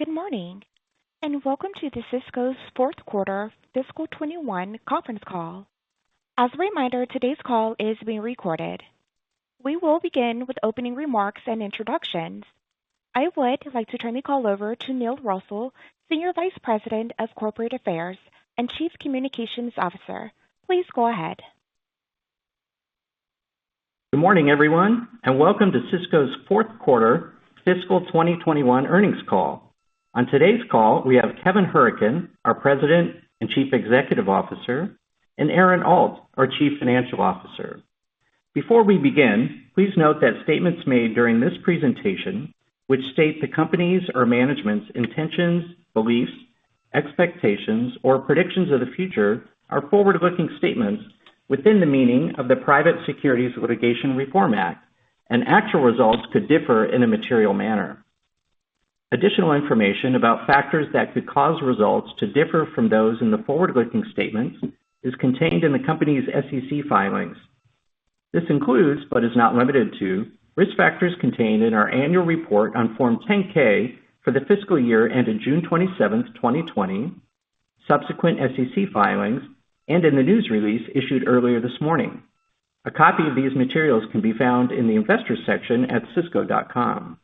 Good morning, welcome to Sysco's fourth quarter fiscal 2021 conference call. As a reminder, today's call is being recorded. We will begin with opening remarks and introductions. I would like to turn the call over to Neil Russell, Senior Vice President of Corporate Affairs and Chief Communications Officer. Please go ahead. Good morning, everyone, and welcome to Sysco's fourth quarter fiscal 2021 earnings call. On today's call, we have Kevin Hourican, our President and Chief Executive Officer, and Aaron Alt, our Chief Financial Officer. Before we begin, please note that statements made during this presentation, which state the company's or management's intentions, beliefs, expectations, or predictions of the future are forward-looking statements within the meaning of the Private Securities Litigation Reform Act, and actual results could differ in a material manner. Additional information about factors that could cause results to differ from those in the forward-looking statements is contained in the company's SEC filings. This includes, but is not limited to, risk factors contained in our annual report on Form 10-K for the fiscal year ended June 27th, 2020, subsequent SEC filings, and in the news release issued earlier this morning. A copy of these materials can be found in the Investors section at sysco.com.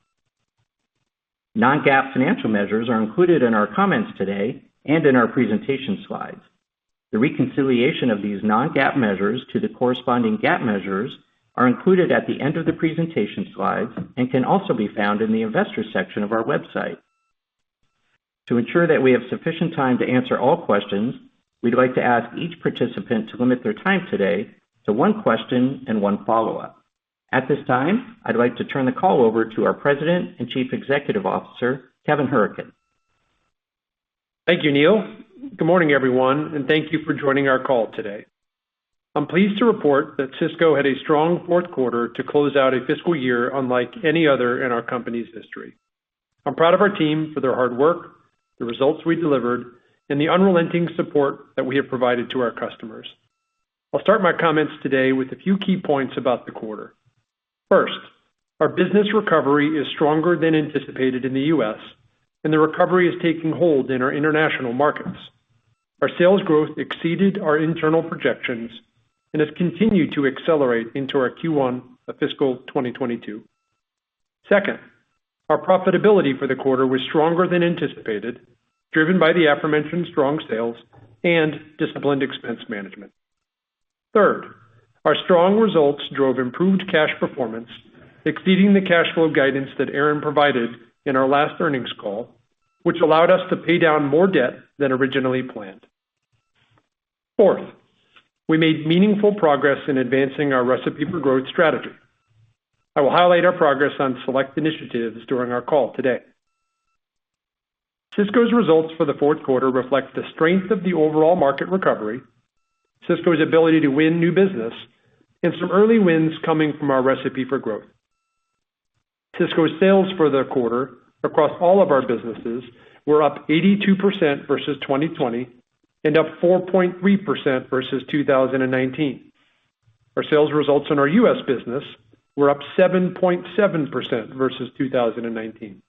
Non-GAAP financial measures are included in our comments today and in our presentation slides. The reconciliation of these non-GAAP measures to the corresponding GAAP measures are included at the end of the presentation slides and can also be found in the Investors section of our website. To ensure that we have sufficient time to answer all questions, we'd like to ask each participant to limit their time today to one question and one follow-up. At this time, I'd like to turn the call over to our President and Chief Executive Officer, Kevin Hourican. Thank you, Neil Russell. Good morning, everyone, and thank you for joining our call today. I'm pleased to report that Sysco had a strong fourth quarter to close out a fiscal year unlike any other in our company's history. I'm proud of our team for their hard work, the results we delivered, and the unrelenting support that we have provided to our customers. I'll start my comments today with a few key points about the quarter. First, our business recovery is stronger than anticipated in the U.S., and the recovery is taking hold in our international markets. Our sales growth exceeded our internal projections and has continued to accelerate into our Q1 of fiscal 2022. Second, our profitability for the quarter was stronger than anticipated, driven by the aforementioned strong sales and disciplined expense management. Third, our strong results drove improved cash performance, exceeding the cash flow guidance that Aaron provided in our last earnings call, which allowed us to pay down more debt than originally planned. Fourth, we made meaningful progress in advancing our Recipe for Growth strategy. I will highlight our progress on select initiatives during our call today. Sysco's results for the fourth quarter reflect the strength of the overall market recovery, Sysco's ability to win new business, and some early wins coming from our Recipe for Growth. Sysco's sales for the quarter across all of our businesses were up 82% versus 2020 and up 4.3% versus 2019. Our sales results in our U.S. business were up 7.7% versus 2019.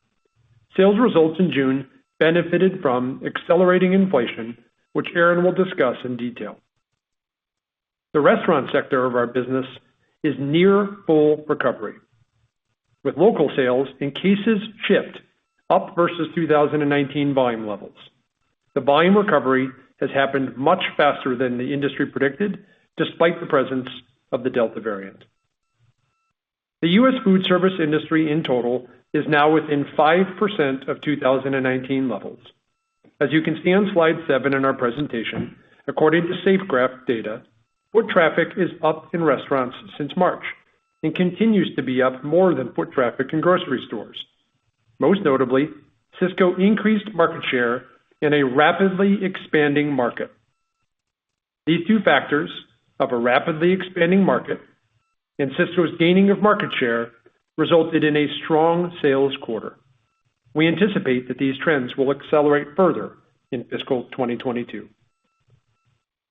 Sales results in June benefited from accelerating inflation, which Aaron will discuss in detail. The restaurant sector of our business is near full recovery, with local sales and cases shipped up versus 2019 volume levels. The volume recovery has happened much faster than the industry predicted, despite the presence of the Delta variant. The U.S. foodservice industry in total is now within 5% of 2019 levels. As you can see on slide seven in our presentation, according to SafeGraph data, foot traffic is up in restaurants since March and continues to be up more than foot traffic in grocery stores. Most notably, Sysco increased market share in a rapidly expanding market. These two factors of a rapidly expanding market and Sysco's gaining of market share resulted in a strong sales quarter. We anticipate that these trends will accelerate further in fiscal 2022.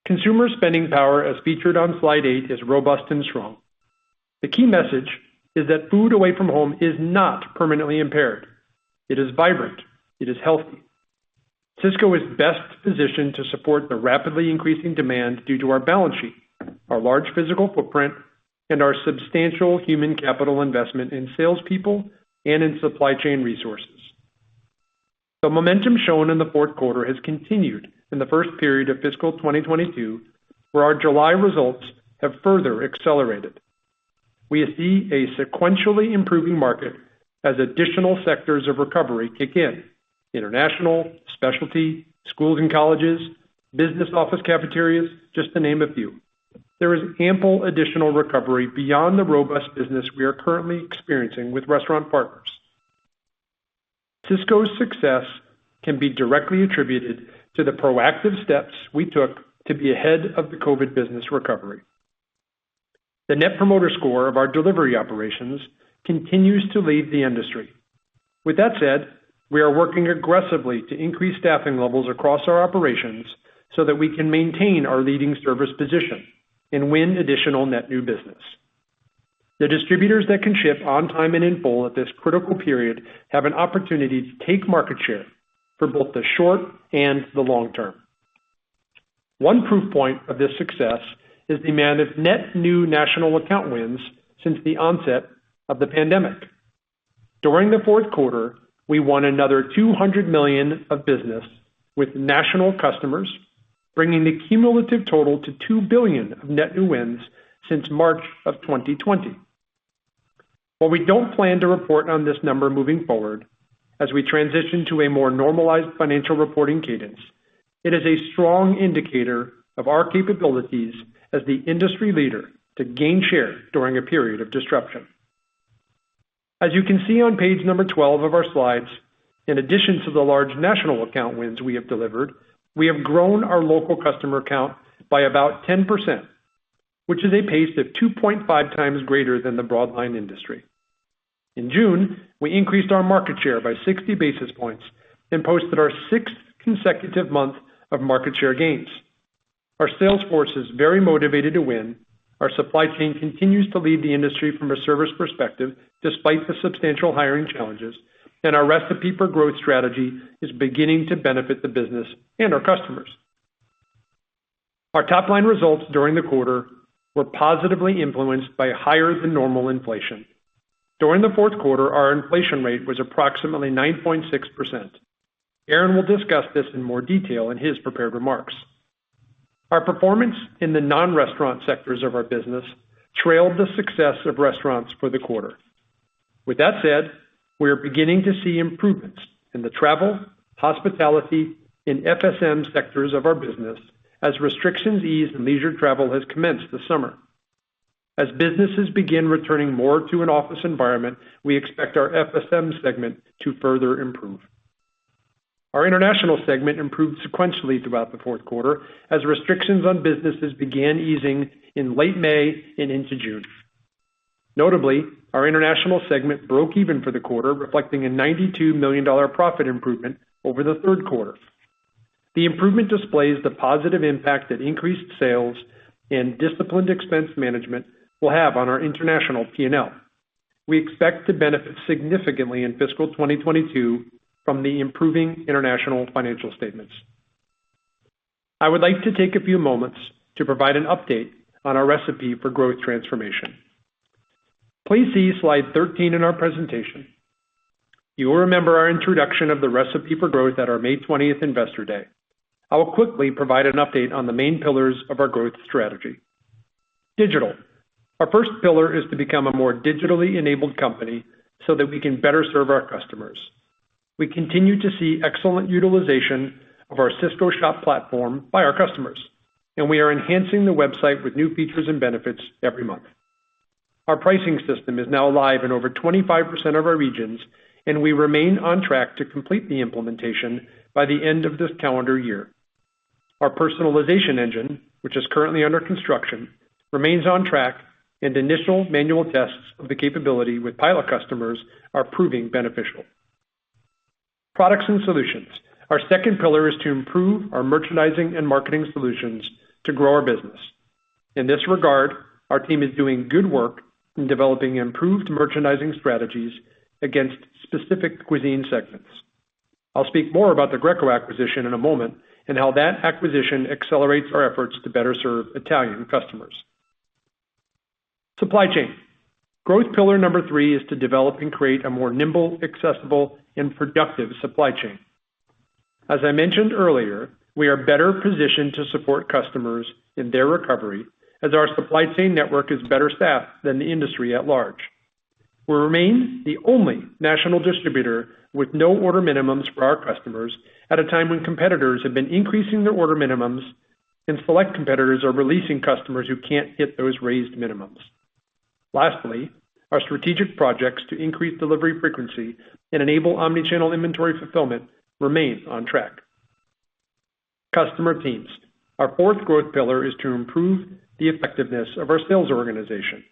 Consumer spending power, as featured on slide eight, is robust and strong. The key message is that food away from home is not permanently impaired. It is vibrant. It is healthy. Sysco is best positioned to support the rapidly increasing demand due to our balance sheet, our large physical footprint, and our substantial human capital investment in salespeople and in supply chain resources. The momentum shown in the fourth quarter has continued in the first period of fiscal 2022, where our July results have further accelerated. We see a sequentially improving market as additional sectors of recovery kick in. International, specialty, schools and colleges, business office cafeterias, just to name a few. There is ample additional recovery beyond the robust business we are currently experiencing with restaurant partners. Sysco's success can be directly attributed to the proactive steps we took to be ahead of the COVID business recovery. The Net Promoter Score of our delivery operations continues to lead the industry. With that said, we are working aggressively to increase staffing levels across our operations so that we can maintain our leading service position and win additional net new business. The distributors that can ship on time and in full at this critical period have an opportunity to take market share for both the short and the long term. One proof point of this success is the amount of net new national account wins since the onset of the pandemic. During the fourth quarter, we won another $200 million of business with national customers, bringing the cumulative total to $2 billion of net new wins since March of 2020. While we don't plan to report on this number moving forward, as we transition to a more normalized financial reporting cadence, it is a strong indicator of our capabilities as the industry leader to gain share during a period of disruption. As you can see on page number 12 of our slides, in addition to the large national account wins we have delivered, we have grown our local customer count by about 10%, which is a pace that's 2.5x greater than the broadline industry. In June, we increased our market share by 60 basis points and posted our sixth consecutive month of market share gains. Our sales force is very motivated to win. Our supply chain continues to lead the industry from a service perspective, despite the substantial hiring challenges. Our Recipe for Growth strategy is beginning to benefit the business and our customers. Our top-line results during the quarter were positively influenced by higher than normal inflation. During the fourth quarter, our inflation rate was approximately 9.6%. Aaron Alt will discuss this in more detail in his prepared remarks. Our performance in the non-restaurant sectors of our business trailed the success of restaurants for the quarter. With that said, we are beginning to see improvements in the travel, hospitality, and FSM sectors of our business as restrictions ease and leisure travel has commenced this summer. As businesses begin returning more to an office environment, we expect our FSM segment to further improve. Our international segment improved sequentially throughout the fourth quarter as restrictions on businesses began easing in late May and into June. Notably, our international segment broke even for the quarter, reflecting a $92 million profit improvement over the third quarter. The improvement displays the positive impact that increased sales and disciplined expense management will have on our international P&L. We expect to benefit significantly in fiscal 2022 from the improving international financial statements. I would like to take a few moments to provide an update on our Recipe for Growth transformation. Please see slide 13 in our presentation. You will remember our introduction of the Recipe for Growth at our May 20th investor day. I will quickly provide an update on the main pillars of our growth strategy. Digital. Our first pillar is to become a more digitally enabled company so that we can better serve our customers. We continue to see excellent utilization of our Sysco Shop platform by our customers, and we are enhancing the website with new features and benefits every month. Our pricing system is now live in over 25% of our regions, and we remain on track to complete the implementation by the end of this calendar year. Our personalization engine, which is currently under construction, remains on track and initial manual tests of the capability with pilot customers are proving beneficial. Products and solutions. Our second pillar is to improve our merchandising and marketing solutions to grow our business. In this regard, our team is doing good work in developing improved merchandising strategies against specific cuisine segments. I'll speak more about the Greco acquisition in a moment, and how that acquisition accelerates our efforts to better serve Italian customers. Supply chain. Growth pillar number three is to develop and create a more nimble, accessible, and productive supply chain. As I mentioned earlier, we are better positioned to support customers in their recovery as our supply chain network is better staffed than the industry at large. We remain the only national distributor with no order minimums for our customers at a time when competitors have been increasing their order minimums and select competitors are releasing customers who can't hit those raised minimums. Lastly, our strategic projects to increase delivery frequency and enable omni-channel inventory fulfillment remain on track. Customer teams. Our fourth growth pillar is to improve the effectiveness of our sales organization.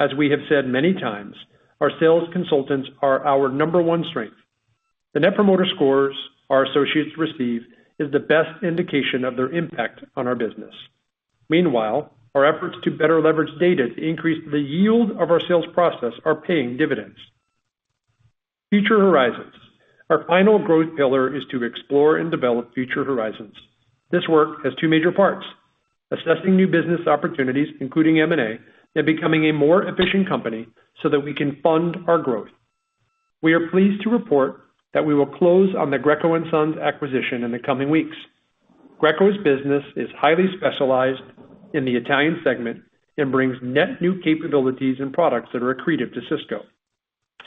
As we have said many times, our sales consultants are our number one strength. The Net Promoter Scores our associates receive is the best indication of their impact on our business. Meanwhile, our efforts to better leverage data to increase the yield of our sales process are paying dividends. Future horizons. Our final growth pillar is to explore and develop future horizons. This work has two major parts, assessing new business opportunities, including M&A, and becoming a more efficient company so that we can fund our growth. We are pleased to report that we will close on the Greco and Sons acquisition in the coming weeks. Greco's business is highly specialized in the Italian segment and brings net new capabilities and products that are accretive to Sysco.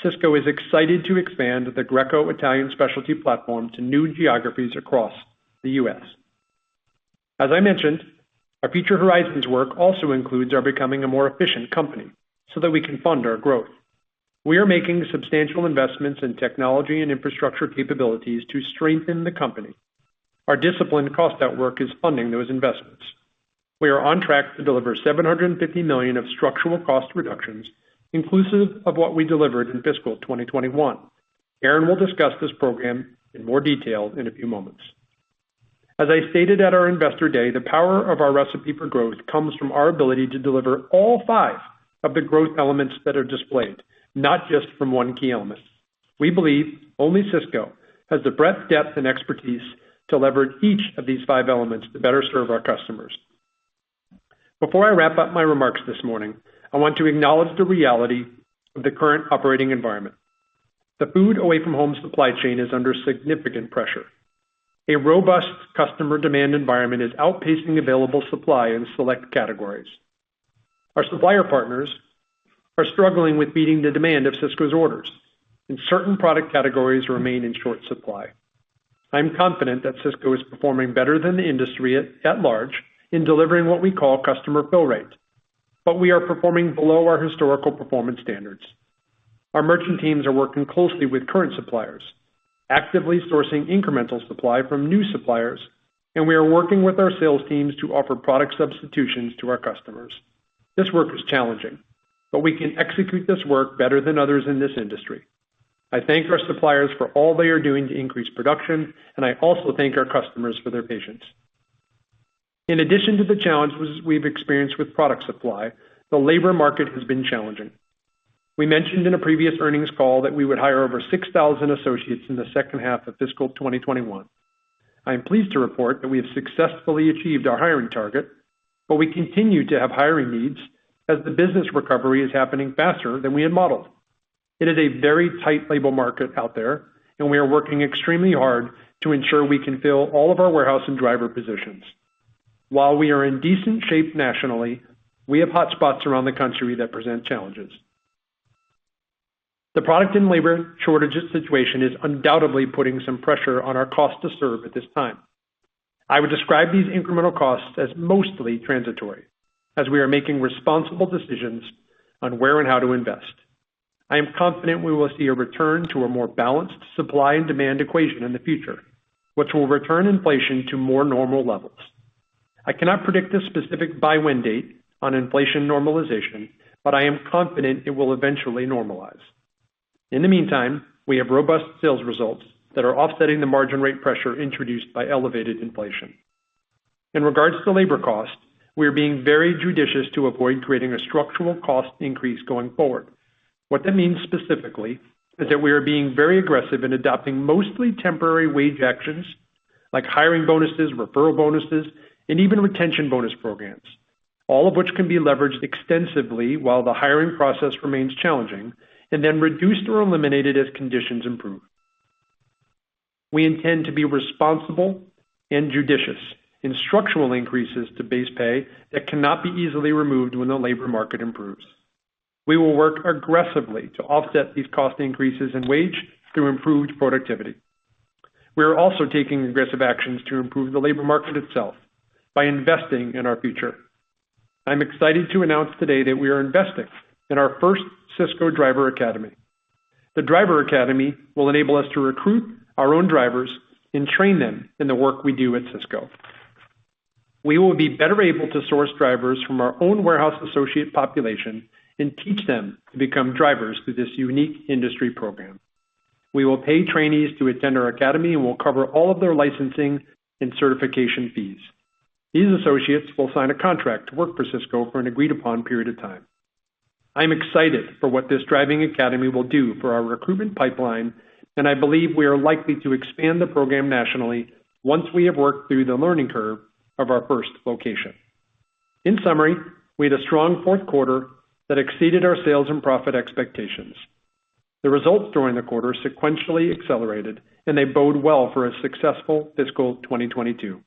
Sysco is excited to expand the Greco Italian specialty platform to new geographies across the U.S. As I mentioned, our future horizons work also includes our becoming a more efficient company so that we can fund our growth. We are making substantial investments in technology and infrastructure capabilities to strengthen the company. Our disciplined cost out work is funding those investments. We are on track to deliver $750 million of structural cost reductions inclusive of what we delivered in fiscal 2021. Aaron Alt will discuss this program in more detail in a few moments. As I stated at our Investor Day, the power of our Recipe for Growth comes from our ability to deliver all five of the growth elements that are displayed, not just from one key element. We believe only Sysco has the breadth, depth, and expertise to leverage each of these five elements to better serve our customers. Before I wrap up my remarks this morning, I want to acknowledge the reality of the current operating environment. The food away from home supply chain is under significant pressure. A robust customer demand environment is outpacing available supply in select categories. Our supplier partners are struggling with meeting the demand of Sysco's orders, and certain product categories remain in short supply. I am confident that Sysco is performing better than the industry at large in delivering what we call customer fill rate, but we are performing below our historical performance standards. Our merchant teams are working closely with current suppliers, actively sourcing incremental supply from new suppliers, and we are working with our sales teams to offer product substitutions to our customers. This work is challenging, but we can execute this work better than others in this industry. I thank our suppliers for all they are doing to increase production, and I also thank our customers for their patience. In addition to the challenges we've experienced with product supply, the labor market has been challenging. We mentioned in a previous earnings call that we would hire over 6,000 associates in the second half of fiscal 2021. I am pleased to report that we have successfully achieved our hiring target, but we continue to have hiring needs as the business recovery is happening faster than we had modeled. It is a very tight labor market out there, and we are working extremely hard to ensure we can fill all of our warehouse and driver positions. While we are in decent shape nationally, we have hot spots around the country that present challenges. The product and labor shortage situation is undoubtedly putting some pressure on our cost to serve at this time. I would describe these incremental costs as mostly transitory, as we are making responsible decisions on where and how to invest. I am confident we will see a return to a more balanced supply and demand equation in the future, which will return inflation to more normal levels. I cannot predict a specific by when date on inflation normalization, but I am confident it will eventually normalize. In the meantime, we have robust sales results that are offsetting the margin rate pressure introduced by elevated inflation. In regards to labor cost, we are being very judicious to avoid creating a structural cost increase going forward. What that means specifically is that we are being very aggressive in adopting mostly temporary wage actions like hiring bonuses, referral bonuses, and even retention bonus programs. All of which can be leveraged extensively while the hiring process remains challenging and then reduced or eliminated as conditions improve. We intend to be responsible and judicious in structural increases to base pay that cannot be easily removed when the labor market improves. We will work aggressively to offset these cost increases in wage through improved productivity. We are also taking aggressive actions to improve the labor market itself by investing in our future. I'm excited to announce today that we are investing in our first Sysco Driver Academy. The Driver Academy will enable us to recruit our own drivers and train them in the work we do at Sysco. We will be better able to source drivers from our own warehouse associate population and teach them to become drivers through this unique industry program. We will pay trainees to attend our academy, and we'll cover all of their licensing and certification fees. These associates will sign a contract to work for Sysco for an agreed-upon period of time. I'm excited for what this Driver Academy will do for our recruitment pipeline, and I believe we are likely to expand the program nationally once we have worked through the learning curve of our first location. In summary, we had a strong fourth quarter that exceeded our sales and profit expectations. The results during the quarter sequentially accelerated. They bode well for a successful fiscal 2022.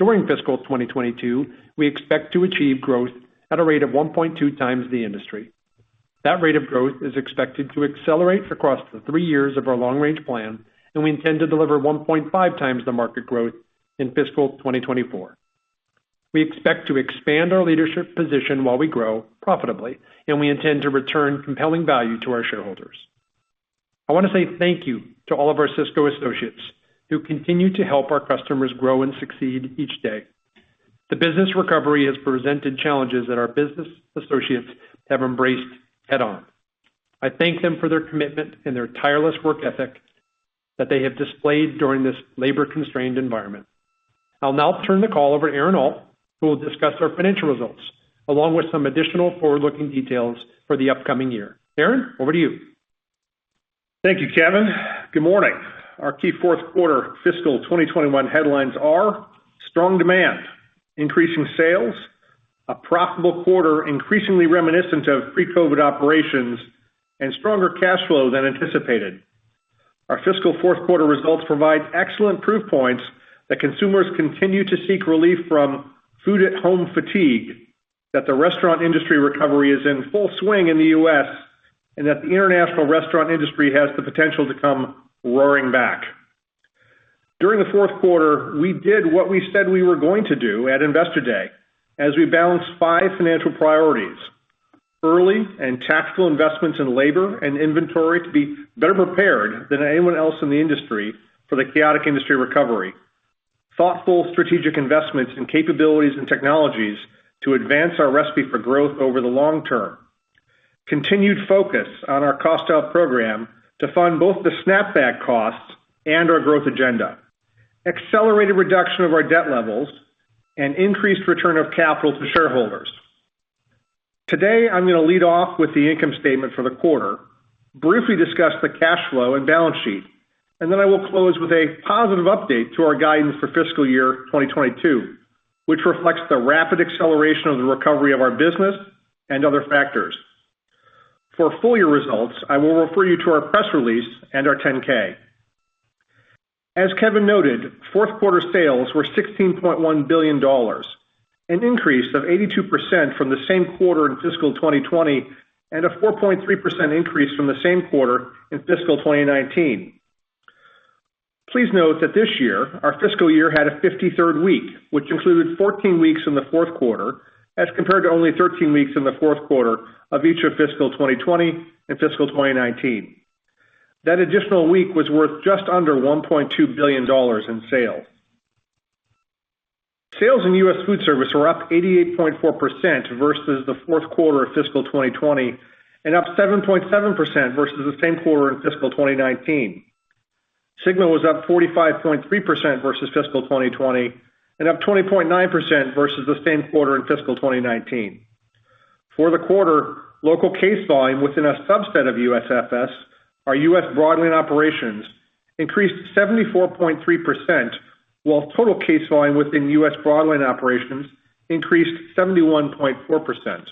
During fiscal 2022, we expect to achieve growth at a rate of 1.2x the industry. That rate of growth is expected to accelerate across the three years of our long-range plan. We intend to deliver 1.5x the market growth in fiscal 2024. We expect to expand our leadership position while we grow profitably. We intend to return compelling value to our shareholders. I want to say thank you to all of our Sysco associates who continue to help our customers grow and succeed each day. The business recovery has presented challenges that our business associates have embraced head-on. I thank them for their commitment and their tireless work ethic that they have displayed during this labor-constrained environment. I'll now turn the call over to Aaron Alt, who will discuss our financial results, along with some additional forward-looking details for the upcoming year. Aaron, over to you. Thank you, Kevin. Good morning. Our key fourth quarter fiscal 2021 headlines are strong demand, increasing sales, a profitable quarter, increasingly reminiscent of pre-COVID-19 operations, and stronger cash flow than anticipated. Our fiscal fourth quarter results provide excellent proof points that consumers continue to seek relief from food at home fatigue, that the restaurant industry recovery is in full swing in the U.S., and that the international restaurant industry has the potential to come roaring back. During the fourth quarter, we did what we said we were going to do at Investor Day as we balanced five financial priorities: early and tactical investments in labor and inventory to be better prepared than anyone else in the industry for the chaotic industry recovery. Thoughtful strategic investments in capabilities and technologies to advance our Recipe for Growth over the long term. Continued focus on our cost out program to fund both the snapback costs and our growth agenda, accelerated reduction of our debt levels, and increased return of capital to shareholders. Today, I'm going to lead off with the income statement for the quarter, briefly discuss the cash flow and balance sheet, and then I will close with a positive update to our guidance for fiscal year 2022, which reflects the rapid acceleration of the recovery of our business and other factors. For full year results, I will refer you to our press release and our 10-K. As Kevin noted, fourth quarter sales were $16.1 billion, an increase of 82% from the same quarter in fiscal 2020, and a 4.3% increase from the same quarter in fiscal 2019. Please note that this year, our fiscal year had a 53rd week, which included 14 weeks in the fourth quarter, as compared to only 13 weeks in the fourth quarter of each of fiscal 2020 and fiscal 2019. That additional week was worth just under $1.2 billion in sales. Sales in U.S. Foodservice were up 88.4% versus the fourth quarter of fiscal 2020, and up 7.7% versus the same quarter in fiscal 2019. SYGMA was up 45.3% versus fiscal 2020, and up 20.9% versus the same quarter in fiscal 2019. For the quarter, local case volume within a subset of USFS, our U.S. broadline operations, increased 74.3%, while total case volume within U.S. broadline operations increased 71.4%.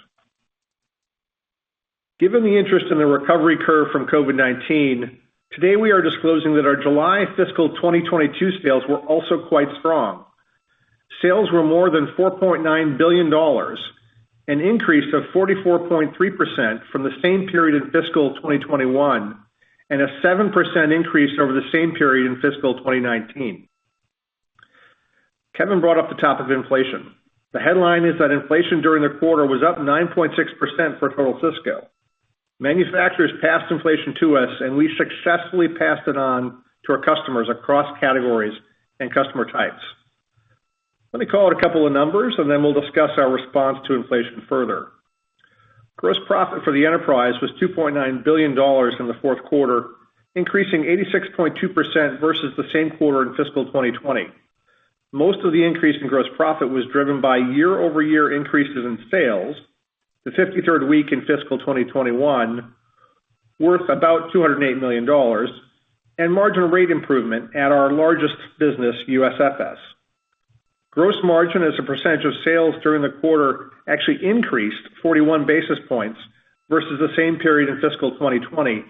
Given the interest in the recovery curve from COVID-19, today we are disclosing that our July fiscal 2022 sales were also quite strong. Sales were more than $4.9 billion, an increase of 44.3% from the same period in fiscal 2021, and a 7% increase over the same period in fiscal 2019. Kevin brought up the topic of inflation. The headline is that inflation during the quarter was up 9.6% for total Sysco. Manufacturers passed inflation to us, and we successfully passed it on to our customers across categories and customer types. Let me call out a couple of numbers, and then we'll discuss our response to inflation further. Gross profit for the enterprise was $2.9 billion in the fourth quarter, increasing 86.2% versus the same quarter in fiscal 2020. Most of the increase in gross profit was driven by year-over-year increases in sales, the 53rd week in fiscal 2021, worth about $208 million, and marginal rate improvement at our largest business, USFS. Gross margin as a percentage of sales during the quarter actually increased 41 basis points versus the same period in fiscal 2020,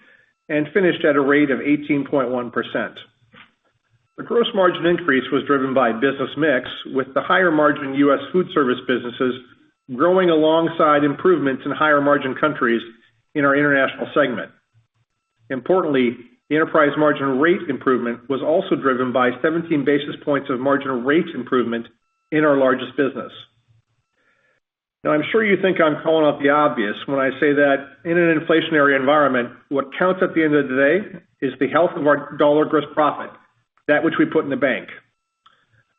and finished at a rate of 18.1%. The gross margin increase was driven by business mix, with the higher margin U.S. Foodservice businesses growing alongside improvements in higher margin countries in our international segment. Importantly, the enterprise marginal rate improvement was also driven by 17 basis points of marginal rate improvement in our largest business. I'm sure you think I'm calling out the obvious when I say that in an inflationary environment, what counts at the end of the day is the health of our dollar gross profit, that which we put in the bank.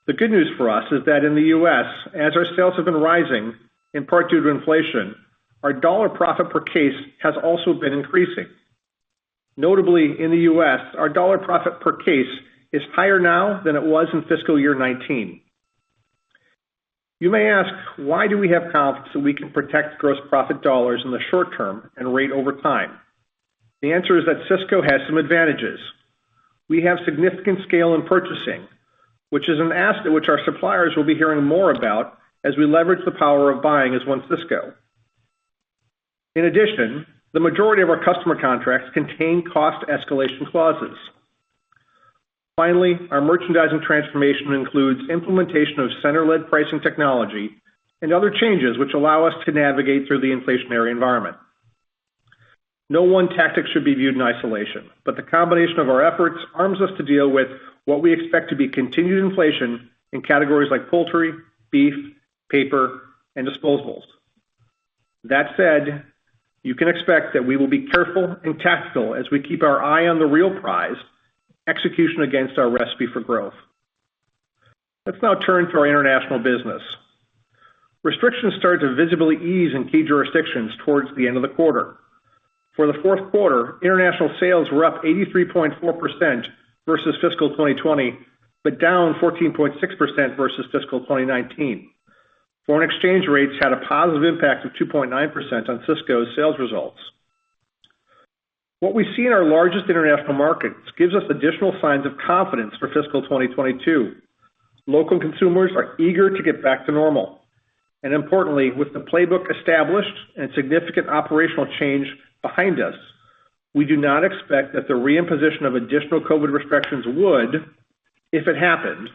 The good news for us is that in the U.S., as our sales have been rising, in part due to inflation, our dollar profit per case has also been increasing. Notably, in the U.S., our dollar profit per case is higher now than it was in fiscal year 2019. You may ask, why do we have confidence that we can protect gross profit dollars in the short term and rate over time? The answer is that Sysco has some advantages. We have significant scale in purchasing, which is an asset which our suppliers will be hearing more about as we leverage the power of buying as one Sysco. In addition, the majority of our customer contracts contain cost escalation clauses. Finally, our merchandising transformation includes implementation of center-led pricing technology and other changes which allow us to navigate through the inflationary environment. Number one tactic should be viewed in isolation, but the combination of our efforts arms us to deal with what we expect to be continued inflation in categories like poultry, beef, paper, and disposables. That said, you can expect that we will be careful and tactical as we keep our eye on the real prize, execution against our Recipe for Growth. Let's now turn to our international business. Restrictions started to visibly ease in key jurisdictions towards the end of the quarter. For the fourth quarter, international sales were up 83.4% versus fiscal 2020, but down 14.6% versus fiscal 2019. Foreign exchange rates had a positive impact of 2.9% on Sysco's sales results. What we see in our largest international markets gives us additional signs of confidence for fiscal 2022. Local consumers are eager to get back to normal, and importantly, with the playbook established and significant operational change behind us, we do not expect that the reimposition of additional COVID-19 restrictions would, if it happened,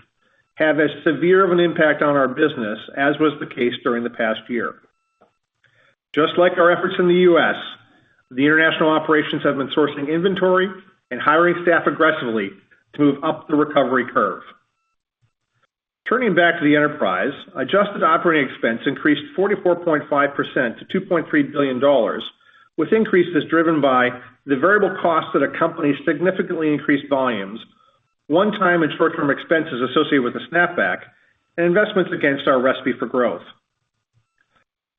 have as severe of an impact on our business as was the case during the past year. Just like our efforts in the U.S., the international operations have been sourcing inventory and hiring staff aggressively to move up the recovery curve. Turning back to the enterprise, adjusted operating expense increased 44.5% to $2.3 billion, with increases driven by the variable costs that accompany significantly increased volumes. One time and short-term expenses associated with the snap-back, and investments against our Recipe for Growth.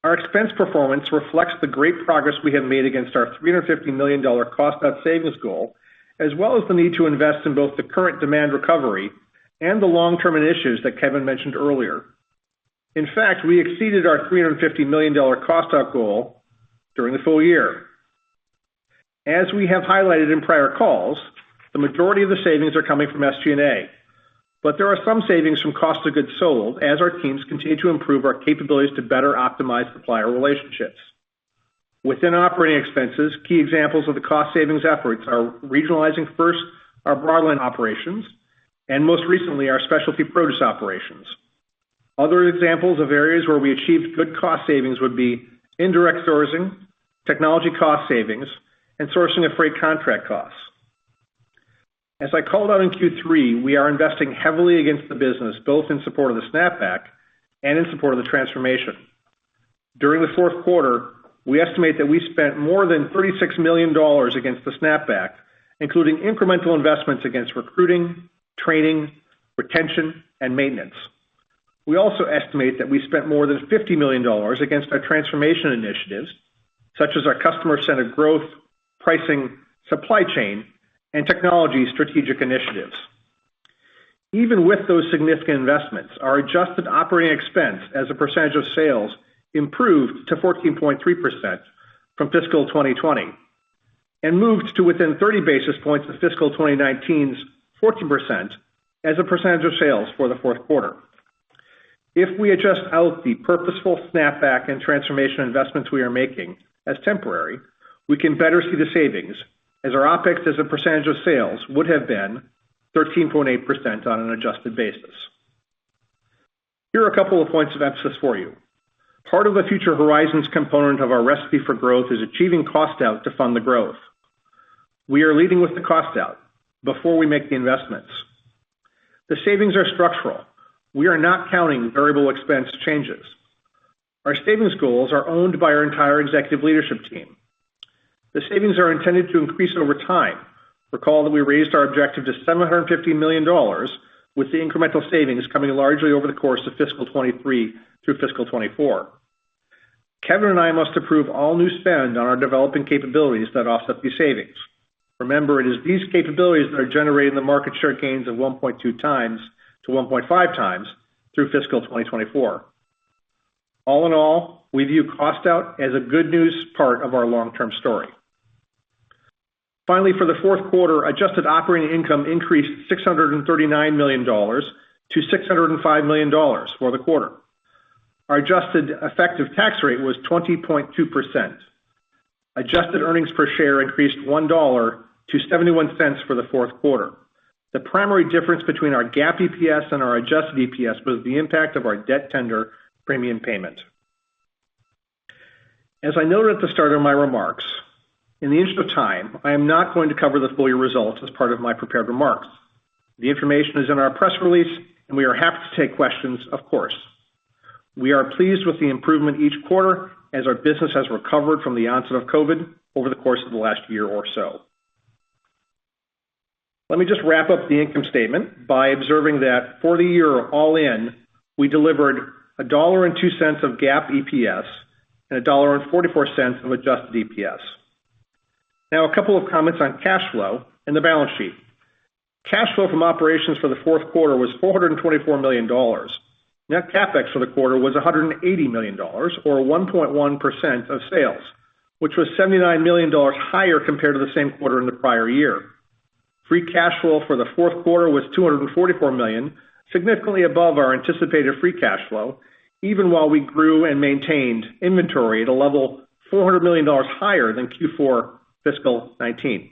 Our expense performance reflects the great progress we have made against our $350 million cost out savings goal, as well as the need to invest in both the current demand recovery and the long-term initiatives that Kevin mentioned earlier. In fact, we exceeded our $350 million cost out goal during the full year. As we have highlighted in prior calls, the majority of the savings are coming from SG&A, but there are some savings from cost of goods sold as our teams continue to improve our capabilities to better optimize supplier relationships. Within operating expenses, key examples of the cost savings efforts are regionalizing first our broadline operations, and most recently, our specialty produce operations. Other examples of areas where we achieved good cost savings would be indirect sourcing, technology cost savings, and sourcing of freight contract costs. As I called out in Q3, we are investing heavily against the business, both in support of the snap-back and in support of the transformation. During the fourth quarter, we estimate that we spent more than $36 million against the snap-back, including incremental investments against recruiting, training, retention, and maintenance. We also estimate that we spent more than $50 million against our transformation initiatives, such as our customer-centered growth, pricing, supply chain, and technology strategic initiatives. Even with those significant investments, our adjusted operating expense as a percentage of sales improved to 14.3% from fiscal 2020, and moved to within 30 basis points of fiscal 2019's 14% as a percentage of sales for the fourth quarter. If we adjust out the purposeful snap-back and transformation investments we are making as temporary, we can better see the savings as our OPEX as a percentage of sales would have been 13.8% on an adjusted basis. Here are a couple of points of emphasis for you. Part of the future horizons component of our Recipe for Growth is achieving cost out to fund the growth. We are leading with the cost out before we make the investments. The savings are structural. We are not counting variable expense changes. Our savings goals are owned by our entire executive leadership team. The savings are intended to increase over time. Recall that we raised our objective to $750 million with the incremental savings coming largely over the course of fiscal 2023 through fiscal 2024. Kevin and I must approve all new spend on our developing capabilities that offset these savings. Remember, it is these capabilities that are generating the market share gains of 1.2x-1.5x through fiscal 2024. All in all, we view cost out as a good news part of our long-term story. Finally, for the fourth quarter, adjusted operating income increased $639 million to $605 million for the quarter. Our adjusted effective tax rate was 20.2%. Adjusted earnings per share increased $1 to $0.71 for the fourth quarter. The primary difference between our GAAP EPS and our adjusted EPS was the impact of our debt tender premium payment. As I noted at the start of my remarks, in the interest of time, I am not going to cover the full year results as part of my prepared remarks. The information is in our press release, and we are happy to take questions, of course. We are pleased with the improvement each quarter as our business has recovered from the onset of COVID-19 over the course of the last year or so. Let me just wrap up the income statement by observing that for the year all in, we delivered $1.02 of GAAP EPS, and $1.44 of adjusted EPS. Now, a couple of comments on cash flow and the balance sheet. Cash flow from operations for the fourth quarter was $424 million. Net CapEx for the quarter was $180 million, or 1.1% of sales, which was $79 million higher compared to the same quarter in the prior year. Free cash flow for the fourth quarter was $244 million, significantly above our anticipated free cash flow, even while we grew and maintained inventory at a level $400 million higher than Q4 fiscal 2019.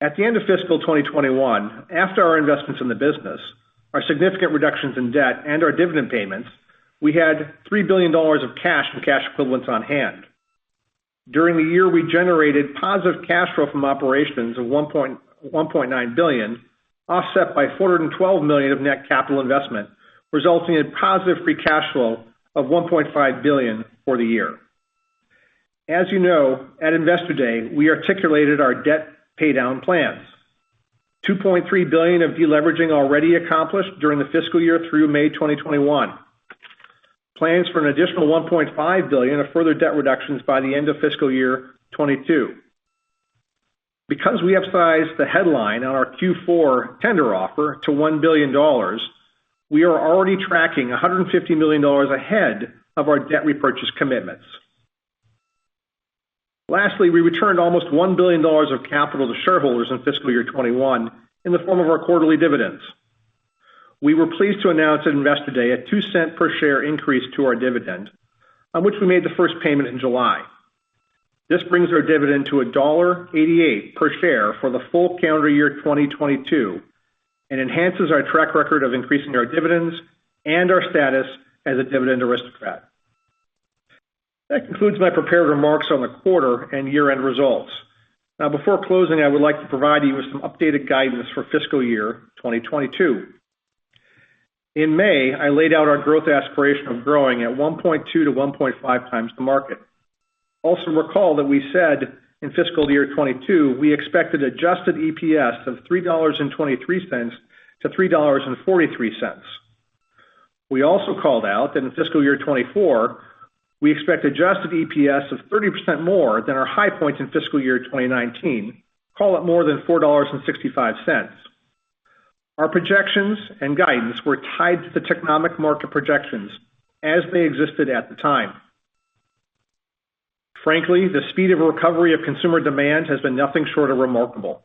At the end of fiscal 2021, after our investments in the business, our significant reductions in debt, and our dividend payments, we had $3 billion of cash and cash equivalents on hand. During the year, we generated positive cash flow from operations of $1.9 billion, offset by $412 million of net capital investment, resulting in positive free cash flow of $1.5 billion for the year. As you know, at Investor Day, we articulated our debt paydown plans. $2.3 billion of de-leveraging already accomplished during the fiscal year through May 2021. Plans for an additional $1.5 billion of further debt reductions by the end of fiscal year 2022. Because we upsized the headline on our Q4 tender offer to $1 billion, we are already tracking $150 million ahead of our debt repurchase commitments. Lastly, we returned almost $1 billion of capital to shareholders in fiscal year 2021 in the form of our quarterly dividends. We were pleased to announce at Investor Day a $0.02 per share increase to our dividend, on which we made the first payment in July. This brings our dividend to $1.88 per share for the full calendar year 2022, and enhances our track record of increasing our dividends and our status as a dividend aristocrat. That concludes my prepared remarks on the quarter and year-end results. Now, before closing, I would like to provide you with some updated guidance for fiscal year 2022. In May, I laid out our growth aspiration of growing at 1.2x-1.5x the market. Also recall that we said in fiscal year 2022, we expected adjusted EPS of $3.23 to $3.43. We also called out that in fiscal year 2024, we expect adjusted EPS of 30% more than our high point in fiscal year 2019, call it more than $4.65. Our projections and guidance were tied to the Technomic market projections as they existed at the time. Frankly, the speed of recovery of consumer demand has been nothing short of remarkable.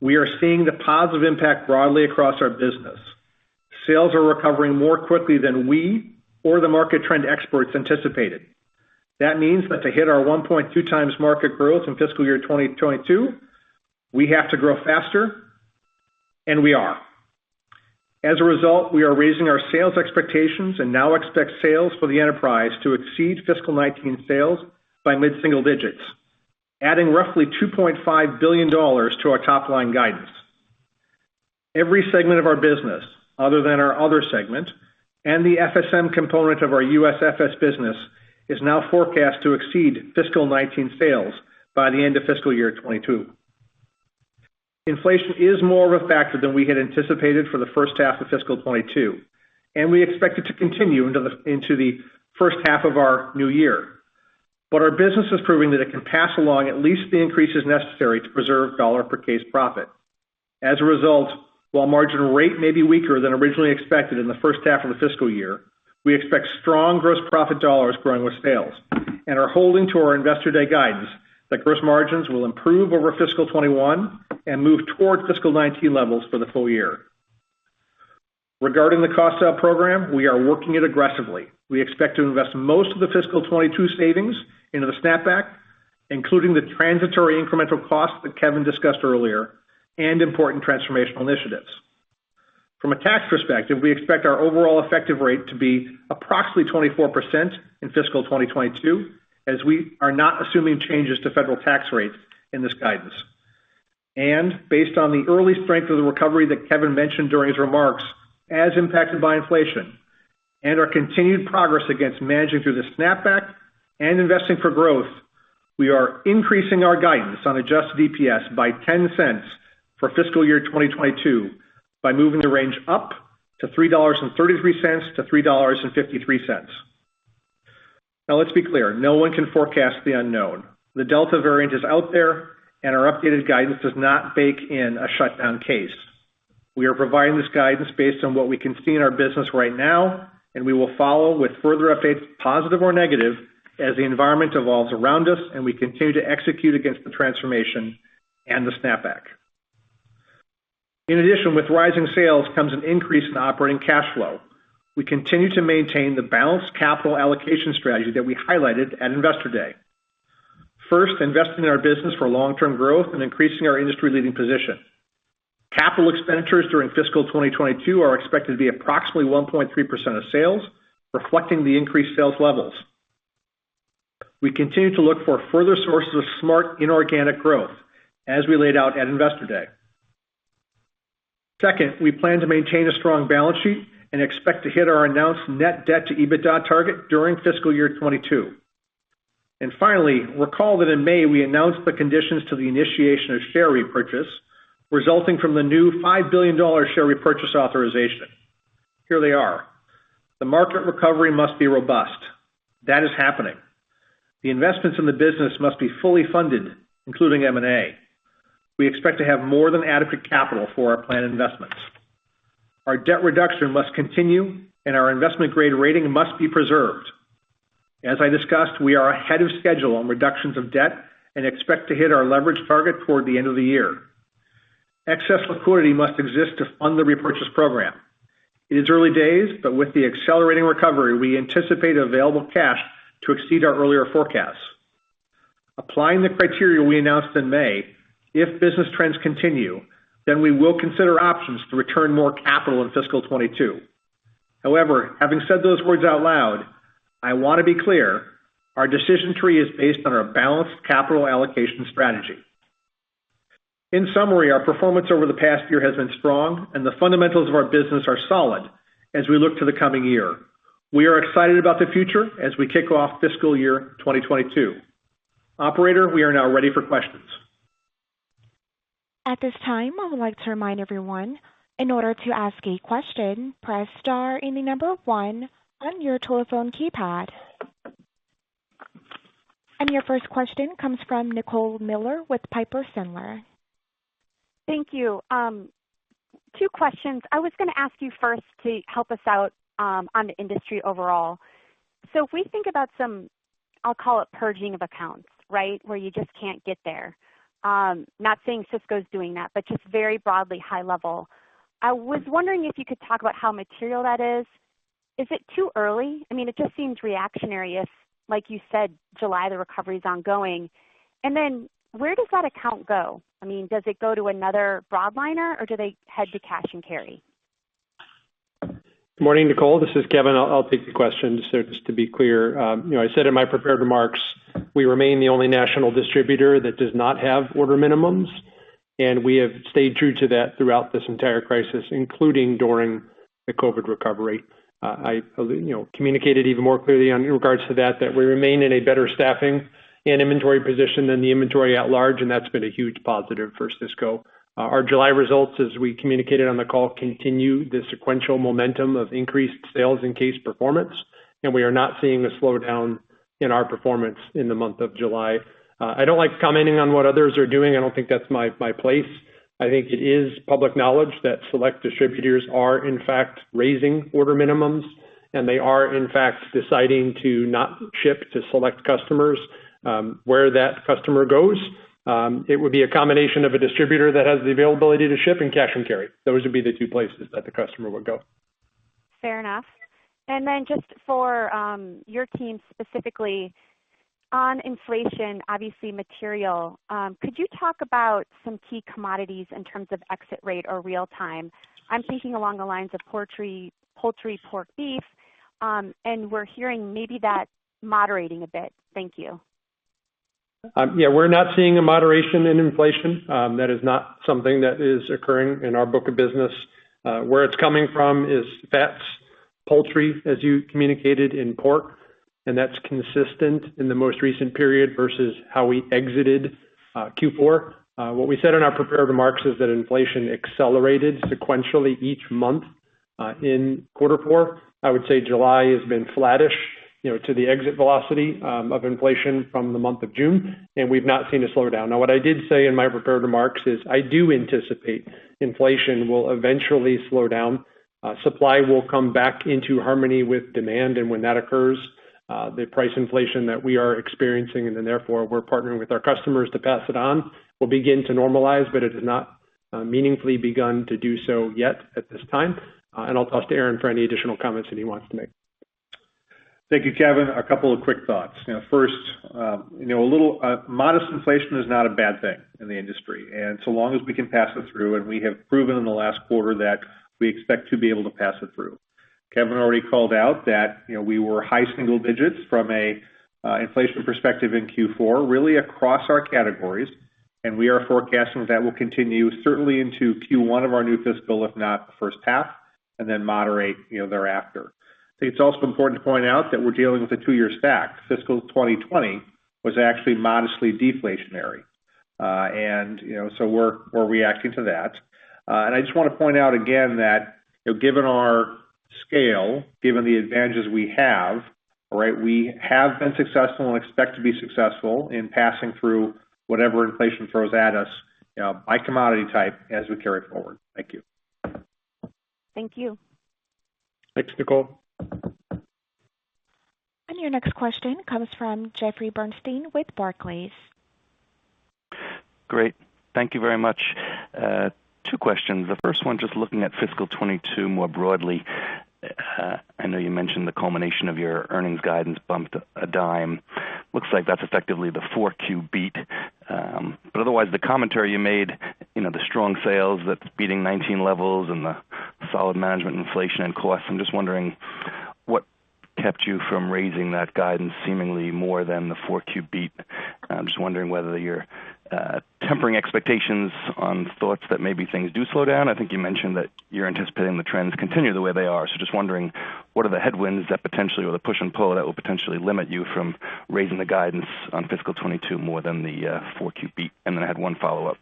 We are seeing the positive impact broadly across our business. Sales are recovering more quickly than we or the market trend experts anticipated. That means that to hit our 1.2x market growth in fiscal year 2022, we have to grow faster, and we are. As a result, we are raising our sales expectations and now expect sales for the enterprise to exceed fiscal 2019 sales by mid-single digits, adding roughly $2.5 billion to our top-line guidance. Every segment of our business, other than our other segment, and the FSM component of our USFS business, is now forecast to exceed fiscal 2019 sales by the end of fiscal year 2022. Inflation is more of a factor than we had anticipated for the first half of fiscal 2022, and we expect it to continue into the first half of our new year. Our business is proving that it can pass along at least the increases necessary to preserve dollar per case profit. As a result, while margin rate may be weaker than originally expected in the first half of the fiscal year, we expect strong gross profit dollars growing with sales and are holding to our Investor Day guidance that gross margins will improve over fiscal 2021 and move towards fiscal 2019 levels for the full year. Regarding the cost out program, we are working it aggressively. We expect to invest most of the fiscal 2022 savings into the snap-back, including the transitory incremental costs that Kevin discussed earlier, and important transformational initiatives. From a tax perspective, we expect our overall effective rate to be approximately 24% in fiscal 2022, as we are not assuming changes to federal tax rates in this guidance. Based on the early strength of the recovery that Kevin mentioned during his remarks, as impacted by inflation, and our continued progress against managing through the snap-back and investing for growth, we are increasing our guidance on adjusted EPS by $0.10 for fiscal year 2022 by moving the range up to $3.33-$3.53. Let's be clear, no one can forecast the unknown. The Delta variant is out there, our updated guidance does not bake in a shutdown case. We are providing this guidance based on what we can see in our business right now, we will follow with further updates, positive or negative, as the environment evolves around us and we continue to execute against the transformation and the snap-back. With rising sales comes an increase in operating cash flow. We continue to maintain the balanced capital allocation strategy that we highlighted at Investor Day. First, investing in our business for long-term growth and increasing our industry-leading position. Capital expenditures during fiscal 2022 are expected to be approximately 1.3% of sales, reflecting the increased sales levels. We continue to look for further sources of smart inorganic growth as we laid out at Investor Day. Second, we plan to maintain a strong balance sheet and expect to hit our announced net debt to EBITDA target during fiscal year 2022. Finally, recall that in May we announced the conditions to the initiation of share repurchase, resulting from the new $5 billion share repurchase authorization. Here they are. The market recovery must be robust. That is happening. The investments in the business must be fully funded, including M&A. We expect to have more than adequate capital for our planned investments. Our debt reduction must continue, and our investment-grade rating must be preserved. As I discussed, we are ahead of schedule on reductions of debt and expect to hit our leverage target toward the end of the year. Excess liquidity must exist to fund the repurchase program. It is early days, but with the accelerating recovery, we anticipate available cash to exceed our earlier forecasts. Applying the criteria we announced in May, if business trends continue, then we will consider options to return more capital in fiscal 2022. Having said those words out loud, I want to be clear, our decision tree is based on our balanced capital allocation strategy. In summary, our performance over the past year has been strong, and the fundamentals of our business are solid as we look to the coming year. We are excited about the future as we kick off fiscal year 2022. Operator, we are now ready for questions. At this time, I would like to remind everyone, in order to ask a question, press star and the number 1 on your telephone keypad. Your first question comes from Nicole Miller with Piper Sandler. Thank you. Two questions. I was going to ask you first to help us out on the industry overall. If we think about some, I'll call it purging of accounts, right? Where you just can't get there. Not saying Sysco's doing that, but just very broadly high level. I was wondering if you could talk about how material that is. Is it too early? It just seems reactionary if, like you said, July, the recovery's ongoing. Then where does that account go? Does it go to another broadliner, or do they head to cash and carry? Morning, Nicole. This is Kevin. I'll take the question. Just to be clear. I said in my prepared remarks, we remain the only national distributor that does not have order minimums. We have stayed true to that throughout this entire crisis, including during the COVID recovery. I communicated even more clearly in regards to that we remain in a better staffing and inventory position than the inventory at large, and that's been a huge positive for Sysco. Our July results, as we communicated on the call, continue the sequential momentum of increased sales and case performance, and we are not seeing a slowdown in our performance in the month of July. I don't like commenting on what others are doing. I don't think that's my place. I think it is public knowledge that select distributors are, in fact, raising order minimums, and they are, in fact, deciding to not ship to select customers. Where that customer goes, it would be a combination of a distributor that has the availability to ship and cash and carry. Those would be the two places that the customer would go. Fair enough. Just for your team, specifically on inflation, obviously material, could you talk about some key commodities in terms of exit rate or real time? I'm thinking along the lines of poultry, pork, beef, and we're hearing maybe that moderating a bit. Thank you. We're not seeing a moderation in inflation. That is not something that is occurring in our book of business. Where it's coming from is fats, poultry, as you communicated, and pork, and that's consistent in the most recent period versus how we exited Q4. What we said in our prepared remarks is that inflation accelerated sequentially each month in quarter four. I would say July has been flattish to the exit velocity of inflation from the month of June, and we've not seen a slowdown. Now, what I did say in my prepared remarks is I do anticipate inflation will eventually slow down. Supply will come back into harmony with demand. When that occurs, the price inflation that we are experiencing and then therefore we're partnering with our customers to pass it on will begin to normalize. It has not meaningfully begun to do so yet at this time. I'll toss to Aaron for any additional comments that he wants to make. Thank you, Kevin. A couple of quick thoughts. First, modest inflation is not a bad thing in the industry, so long as we can pass it through. We have proven in the last quarter that we expect to be able to pass it through. Kevin already called out that we were high single digits from an inflation perspective in Q4, really across our categories. We are forecasting that will continue certainly into Q1 of our new fiscal, if not the first half, then moderate thereafter. I think it's also important to point out that we're dealing with a two-year stack. Fiscal 2020 was actually modestly deflationary. We're reacting to that. I just want to point out again that given our scale, given the advantages we have, we have been successful and expect to be successful in passing through whatever inflation throws at us by commodity type as we carry it forward. Thank you. Thank you. Thanks, Nicole. Your next question comes from Jeffrey Bernstein with Barclays. Great. Thank you very much. Two questions. The first one, just looking at fiscal 2022 more broadly. I know you mentioned the culmination of your earnings guidance bumped $0.10. Looks like that's effectively the 4Q beat. Otherwise, the commentary you made, the strong sales that's beating 2019 levels and the solid management inflation and costs. I'm just wondering what kept you from raising that guidance seemingly more than the 4Q beat. I'm just wondering whether you're tempering expectations on thoughts that maybe things do slow down. I think you mentioned that you're anticipating the trends continue the way they are. Just wondering, what are the headwinds that potentially, or the push and pull that will potentially limit you from raising the guidance on fiscal 2022 more than the 4Q beat? Then I had one follow-up.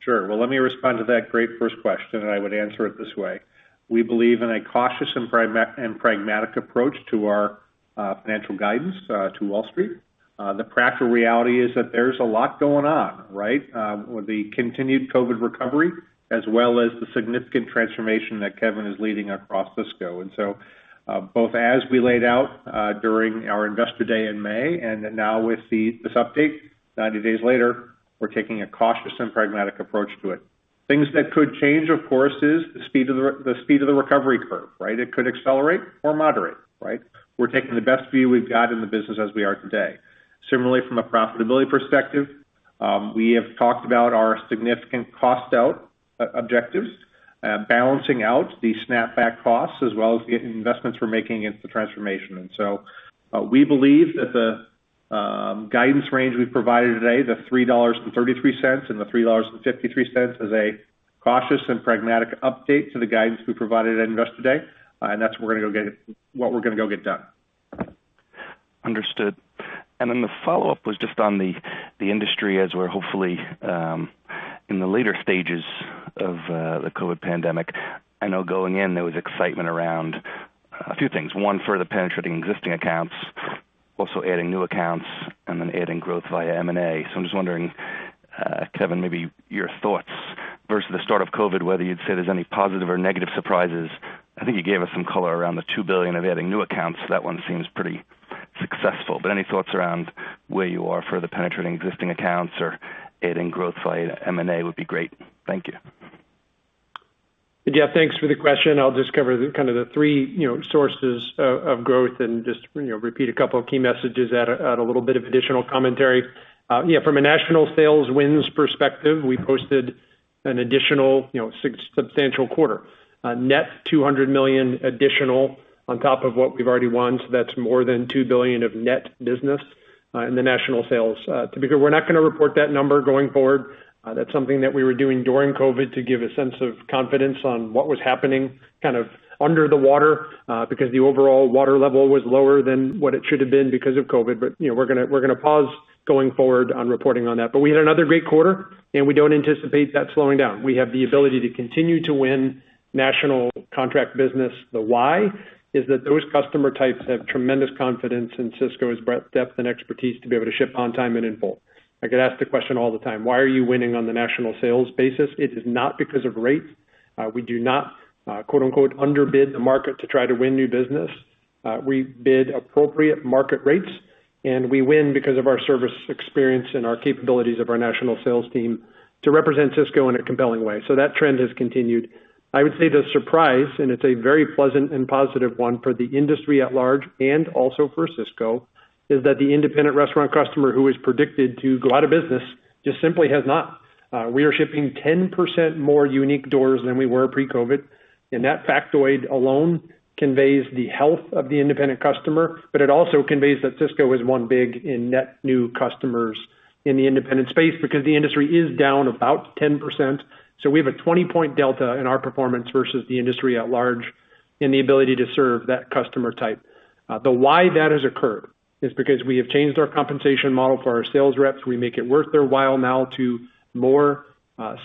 Sure. Well, let me respond to that great first question. I would answer it this way. We believe in a cautious and pragmatic approach to our financial guidance to Wall Street. The practical reality is that there's a lot going on, right? With the continued COVID recovery as well as the significant transformation that Kevin is leading across Sysco. Both as we laid out during our investor day in May and now with this update 90 days later, we're taking a cautious and pragmatic approach to it. Things that could change, of course, is the speed of the recovery curve, right? It could accelerate or moderate, right? We're taking the best view we've got in the business as we are today. Similarly, from a profitability perspective, we have talked about our significant cost out objectives balancing out the snapback costs as well as the investments we're making into the transformation. We believe that the guidance range we've provided today, the $3.33 and the $3.53, is a cautious and pragmatic update to the guidance we provided at Investor Day. That's what we're going to go get done. Understood. The follow-up was just on the industry as we're hopefully in the later stages of the COVID pandemic. I know going in there was excitement around a few things. One, further penetrating existing accounts, also adding new accounts, and then adding growth via M&A. I'm just wondering, Kevin, maybe your thoughts versus the start of COVID, whether you'd say there's any positive or negative surprises. I think you gave us some color around the $2 billion of adding new accounts. That one seems pretty successful. Any thoughts around where you are further penetrating existing accounts or adding growth via M&A would be great. Thank you. Yeah. Thanks for the question. I'll just cover kind of the three sources of growth and just repeat a couple of key messages, add a little bit of additional commentary. From a national sales wins perspective, we posted an additional substantial quarter. Net $200 million additional on top of what we've already won, that's more than $2 billion of net business in the national sales. Typically, we're not going to report that number going forward. That's something that we were doing during COVID to give a sense of confidence on what was happening kind of under the water, because the overall water level was lower than what it should have been because of COVID. We're going to pause going forward on reporting on that. We had another great quarter. We don't anticipate that slowing down. We have the ability to continue to win national contract business. The why is that those customer types have tremendous confidence in Sysco's breadth, depth, and expertise to be able to ship on time and in full. I get asked the question all the time: Why are you winning on the national sales basis? It is not because of rates. We do not "underbid the market" to try to win new business. We bid appropriate market rates, and we win because of our service experience and our capabilities of our national sales team to represent Sysco in a compelling way. That trend has continued. I would say the surprise, and it's a very pleasant and positive one for the industry at large and also for Sysco, is that the independent restaurant customer who was predicted to go out of business just simply has not. We are shipping 10% more unique doors than we were pre-COVID, and that factoid alone conveys the health of the independent customer, but it also conveys that Sysco has won big in net new customers in the independent space because the industry is down about 10%. We have a 20-point delta in our performance versus the industry at large in the ability to serve that customer type. The why that has occurred is because we have changed our compensation model for our sales reps. We make it worth their while now to more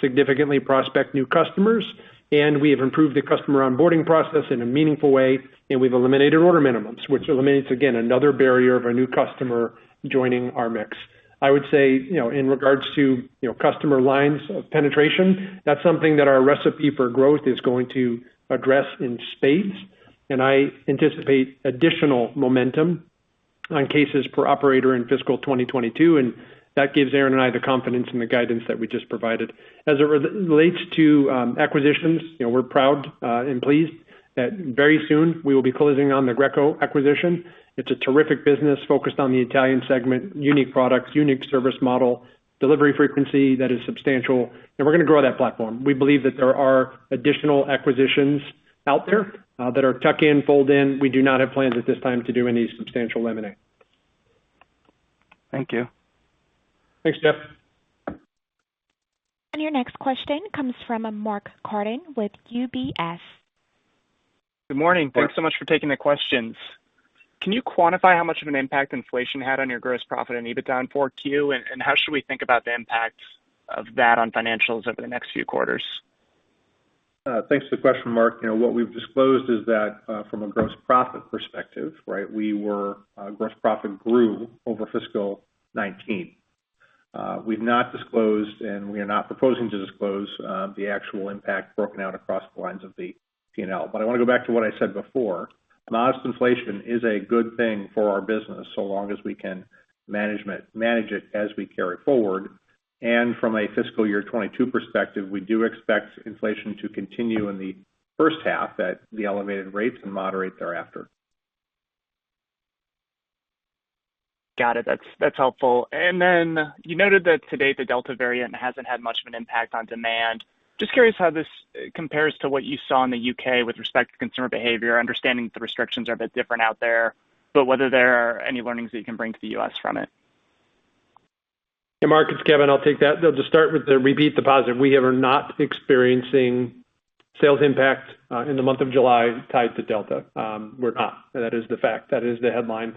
significantly prospect new customers, and we have improved the customer onboarding process in a meaningful way, and we've eliminated order minimums, which eliminates, again, another barrier of a new customer joining our mix. I would say, in regards to customer lines of penetration, that's something that our Recipe for Growth is going to address in spades, and I anticipate additional momentum on cases per operator in fiscal 2022, and that gives Aaron Alt and I the confidence in the guidance that we just provided. As it relates to acquisitions, we're proud and pleased that very soon we will be closing on the Greco acquisition. It's a terrific business focused on the Italian segment, unique products, unique service model, delivery frequency that is substantial, and we're going to grow that platform. We believe that there are additional acquisitions out there that are tuck-in, fold-in. We do not have plans at this time to do any substantial M&A. Thank you. Thanks, Jeff. Your next question comes from Mark Carden with UBS. Good morning. Mark. Thanks so much for taking the questions. Can you quantify how much of an impact inflation had on your gross profit and EBITDA in 4Q, and how should we think about the impact of that on financials over the next few quarters? Thanks for the question, Mark. What we've disclosed is that from a gross profit perspective, gross profit grew over fiscal 2019. We've not disclosed, and we are not proposing to disclose, the actual impact broken out across the lines of the P&L. I want to go back to what I said before. Modest inflation is a good thing for our business, so long as we can manage it as we carry forward. From a fiscal year 2022 perspective, we do expect inflation to continue in the first half at the elevated rates and moderate thereafter. Got it. That's helpful. You noted that to date, the Delta variant hasn't had much of an impact on demand. Just curious how this compares to what you saw in the U.K. with respect to consumer behavior, understanding that the restrictions are a bit different out there, but whether there are any learnings that you can bring to the U.S. from it. Hey, Mark, it's Kevin. I'll take that. To start with the repeat deposit, we are not experiencing sales impact in the month of July tied to Delta. We're not. That is the fact. That is the headline.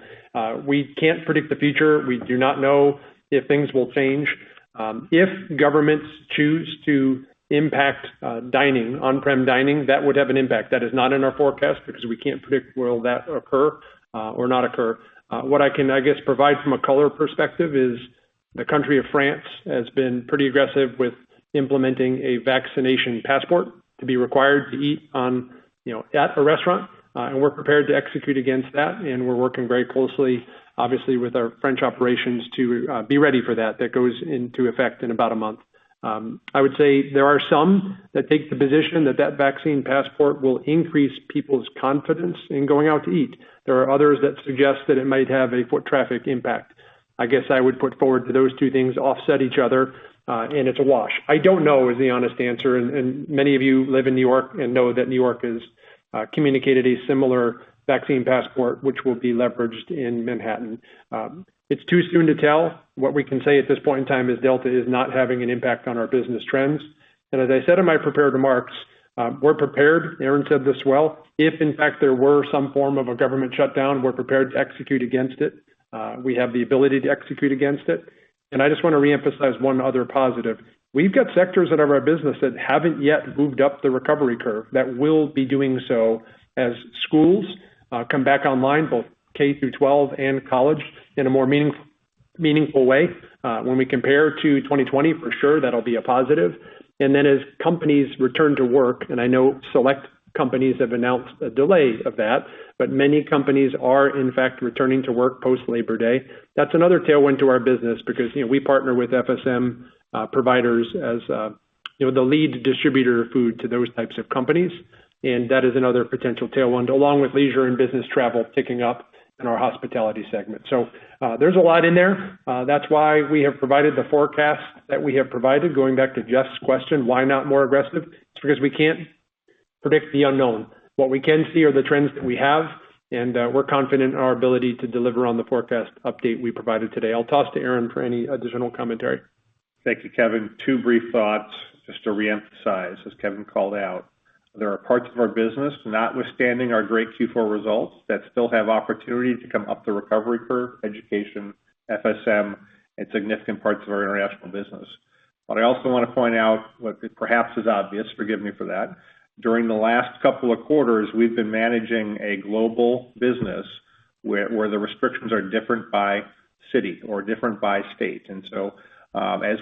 We can't predict the future. We do not know if things will change. If governments choose to impact on-prem dining, that would have an impact. That is not in our forecast because we can't predict will that occur or not occur. What I can, I guess, provide from a color perspective is the country of France has been pretty aggressive with implementing a vaccination passport to be required to eat at a restaurant, and we're prepared to execute against that, and we're working very closely, obviously, with our French operations to be ready for that. That goes into effect in about a month. I would say there are some that take the position that that vaccine passport will increase people's confidence in going out to eat. There are others that suggest that it might have a foot traffic impact. I guess I would put forward to those two things offset each other, and it's a wash. I don't know is the honest answer. Many of you live in New York. and know that New York. has communicated a similar vaccine passport, which will be leveraged in Manhattan. It's too soon to tell. What we can say at this point in time is Delta is not having an impact on our business trends. As I said in my prepared remarks, we're prepared, Aaron Alt said this well, if in fact there were some form of a government shutdown, we're prepared to execute against it. We have the ability to execute against it. I just want to reemphasize one other positive. We've got sectors that are our business that haven't yet moved up the recovery curve that will be doing so as schools come back online, both K-12 and college, in a more meaningful way. When we compare to 2020, for sure, that'll be a positive. Then as companies return to work, and I know select companies have announced a delay of that, but many companies are in fact returning to work post Labor Day. That's another tailwind to our business because we partner with FSM providers as the lead distributor of food to those types of companies. That is another potential tailwind, along with leisure and business travel picking up in our hospitality segment. There's a lot in there. That's why we have provided the forecast that we have provided. Going back to Jeff's question, why not more aggressive? It's because we can't predict the unknown. What we can see are the trends that we have, and we're confident in our ability to deliver on the forecast update we provided today. I'll toss to Aaron for any additional commentary. Thank you, Kevin. Two brief thoughts just to reemphasize, as Kevin called out. There are parts of our business, notwithstanding our great Q4 results, that still have opportunity to come up the recovery curve, education, FSM, and significant parts of our international business. What I also want to point out, what perhaps is obvious, forgive me for that, during the last couple of quarters, we've been managing a global business where the restrictions are different by city or different by state. As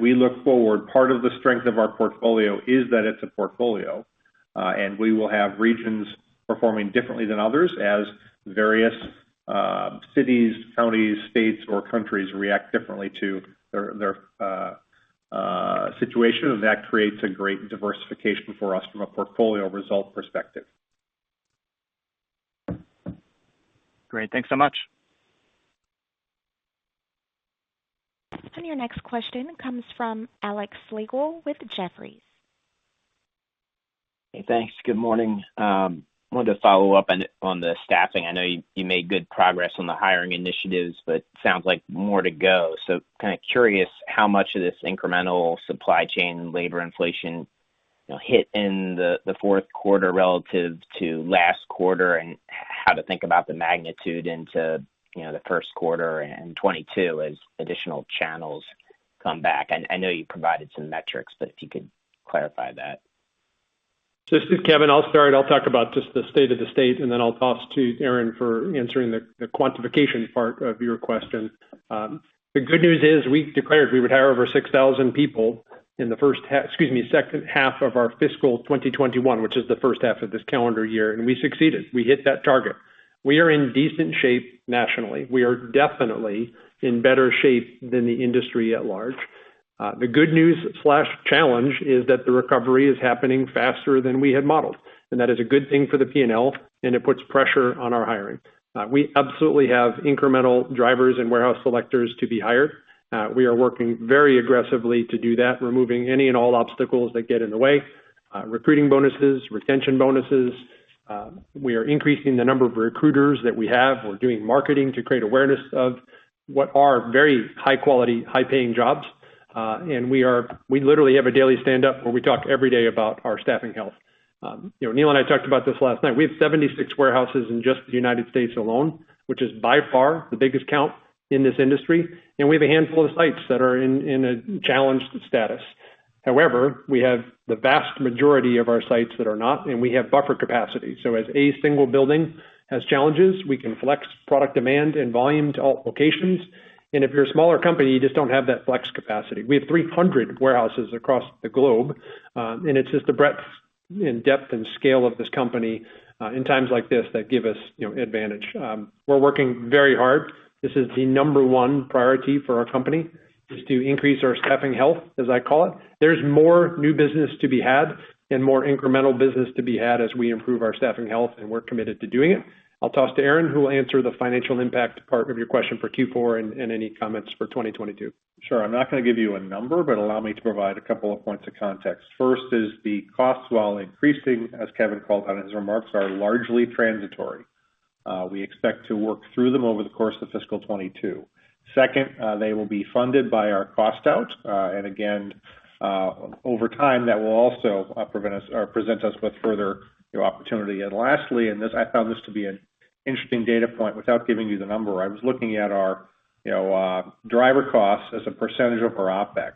we look forward, part of the strength of our portfolio is that it's a portfolio. We will have regions performing differently than others as various cities, counties, states, or countries react differently to their situation, and that creates a great diversification for us from a portfolio result perspective. Great. Thanks so much. Your next question comes from Alex Slagle with Jefferies. Hey, thanks. Good morning. I wanted to follow up on the staffing. I know you made good progress on the hiring initiatives, but sounds like more to go. Curious how much of this incremental supply chain labor inflation hit in the fourth quarter relative to last quarter, and how to think about the magnitude into the first quarter and 2022 as additional channels come back. I know you provided some metrics, but if you could clarify that. This is Kevin. I'll start. I'll talk about just the state of the state, then I'll toss to Aaron for answering the quantification part of your question. The good news is we declared we would hire over 6,000 people in the first half, excuse me, second half of our fiscal 2021, which is the first half of this calendar year, and we succeeded. We hit that target. We are in decent shape nationally. We are definitely in better shape than the industry at large. The good news/challenge is that the recovery is happening faster than we had modeled, and that is a good thing for the P&L, and it puts pressure on our hiring. We absolutely have incremental drivers and warehouse selectors to be hired. We are working very aggressively to do that, removing any and all obstacles that get in the way, recruiting bonuses, retention bonuses. We are increasing the number of recruiters that we have. We're doing marketing to create awareness of what are very high quality, high paying jobs. We literally have a daily standup where we talk every day about our staffing health. Neil Russell and I talked about this last night. We have 76 warehouses in just the U.S. alone, which is by far the biggest count in this industry. We have a handful of sites that are in a challenged status. However, we have the vast majority of our sites that are not, and we have buffer capacity. As a single building has challenges, we can flex product demand and volume to all locations. If you're a smaller company, you just don't have that flex capacity. We have 300 warehouses across the globe. It's just the breadth and depth and scale of this company in times like this that give us advantage. We're working very hard. This is the number one priority for our company, is to increase our staffing health, as I call it. There's more new business to be had and more incremental business to be had as we improve our staffing health, and we're committed to doing it. I'll toss to Aaron Alt, who will answer the financial impact part of your question for Q4 and any comments for 2022. Sure. I'm not going to give you a number, but allow me to provide a couple of points of context. First is the costs, while increasing, as Kevin called out in his remarks, are largely transitory. We expect to work through them over the course of fiscal 2022. Second, they will be funded by our cost out. Again, over time, that will also present us with further opportunity. Lastly, and I found this to be an interesting data point, without giving you the number, I was looking at our driver costs as a percentage of our OPEX.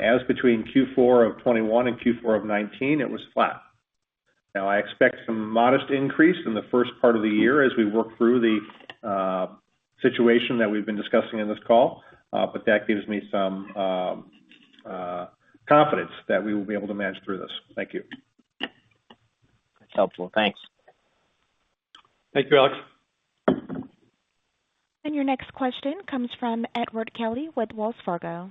As between Q4 of 2021 and Q4 of 2019, it was flat. Now, I expect some modest increase in the first part of the year as we work through the situation that we've been discussing in this call. That gives me some confidence that we will be able to manage through this. Thank you. That's helpful. Thanks. Thank you, Alex. Your next question comes from Edward Kelly with Wells Fargo.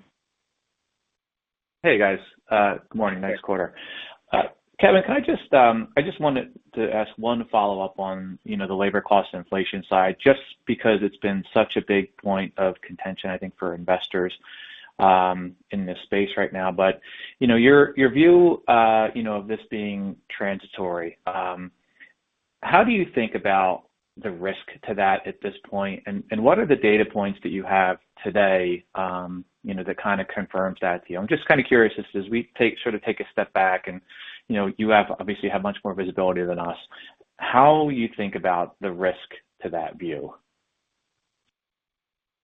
Hey, guys. Good morning. Nice quarter. Kevin, I just wanted to ask one follow-up on the labor cost inflation side, just because it's been such a big point of contention, I think, for investors in this space right now. Your view of this being transitory, how do you think about the risk to that at this point, and what are the data points that you have today that kind of confirms that to you? I'm just kind of curious, as we sort of take a step back and you obviously have much more visibility than us, how you think about the risk to that view.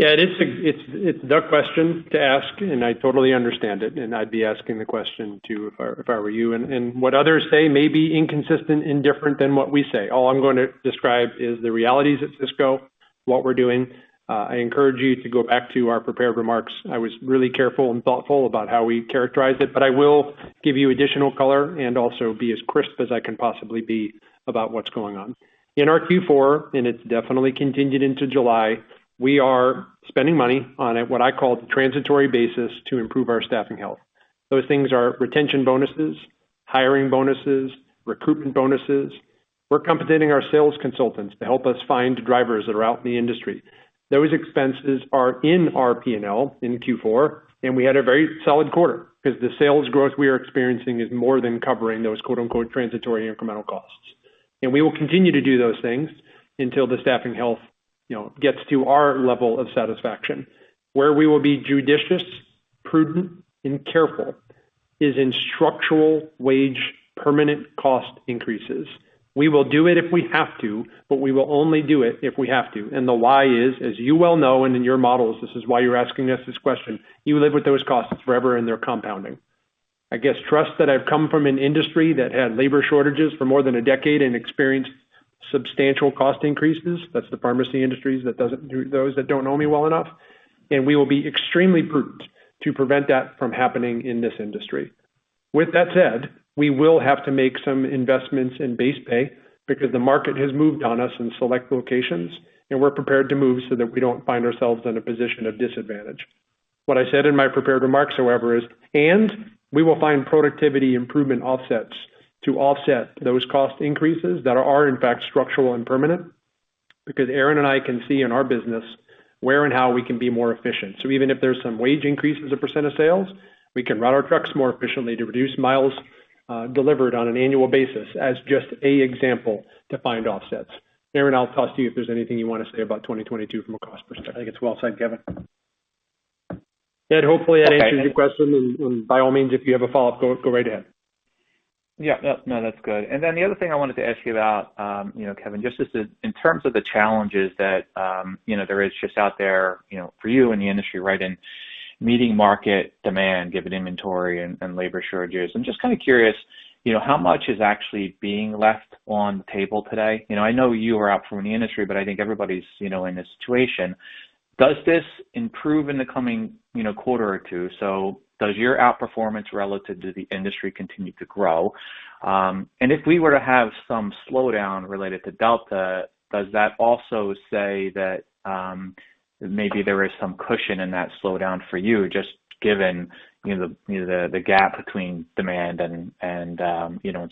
It's the question to ask, and I totally understand it, and I'd be asking the question, too, if I were you. What others say may be inconsistent and different than what we say. All I'm going to describe is the realities at Sysco, what we're doing. I encourage you to go back to our prepared remarks. I was really careful and thoughtful about how we characterized it, but I will give you additional color and also be as crisp as I can possibly be about what's going on. In our Q4, and it's definitely continued into July, we are spending money on, what I call, the transitory basis to improve our staffing health. Those things are retention bonuses, hiring bonuses, recruitment bonuses. We're compensating our sales consultants to help us find drivers that are out in the industry. Those expenses are in our P&L in Q4, and we had a very solid quarter because the sales growth we are experiencing is more than covering those "transitory incremental costs." We will continue to do those things until the staffing health gets to our level of satisfaction. Where we will be judicious, prudent, and careful is in structural wage permanent cost increases. We will do it if we have to, but we will only do it if we have to. The why is, as you well know and in your models, this is why you're asking us this question, you live with those costs forever and they're compounding. I guess, trust that I've come from an industry that had labor shortages for more than a decade and experienced substantial cost increases. That's the pharmacy industry, those that don't know me well enough. We will be extremely prudent to prevent that from happening in this industry. With that said, we will have to make some investments in base pay because the market has moved on us in select locations, and we're prepared to move so that we don't find ourselves in a position of disadvantage. What I said in my prepared remarks, however, is, and we will find productivity improvement offsets to offset those cost increases that are in fact structural and permanent, because Aaron Alt and I can see in our business where and how we can be more efficient. Even if there's some wage increases as a % of sales, we can route our trucks more efficiently to reduce miles delivered on an annual basis as just a example to find offsets. Aaron Alt, I'll toss to you if there's anything you want to say about 2022 from a cost perspective. I think it's well said, Kevin. Ed, hopefully that answers your question, and by all means, if you have a follow-up, go right ahead. Yeah. No, that's good. The other thing I wanted to ask you about, Kevin, just in terms of the challenges that there is just out there for you in the industry, right, in meeting market demand, given inventory and labor shortages. I'm just kind of curious, how much is actually being left on the table today? I know you are out from the industry, but I think everybody's in this situation. Does this improve in the coming quarter or two? Does your outperformance relative to the industry continue to grow? If we were to have some slowdown related to Delta, does that also say that maybe there is some cushion in that slowdown for you, just given the gap between demand and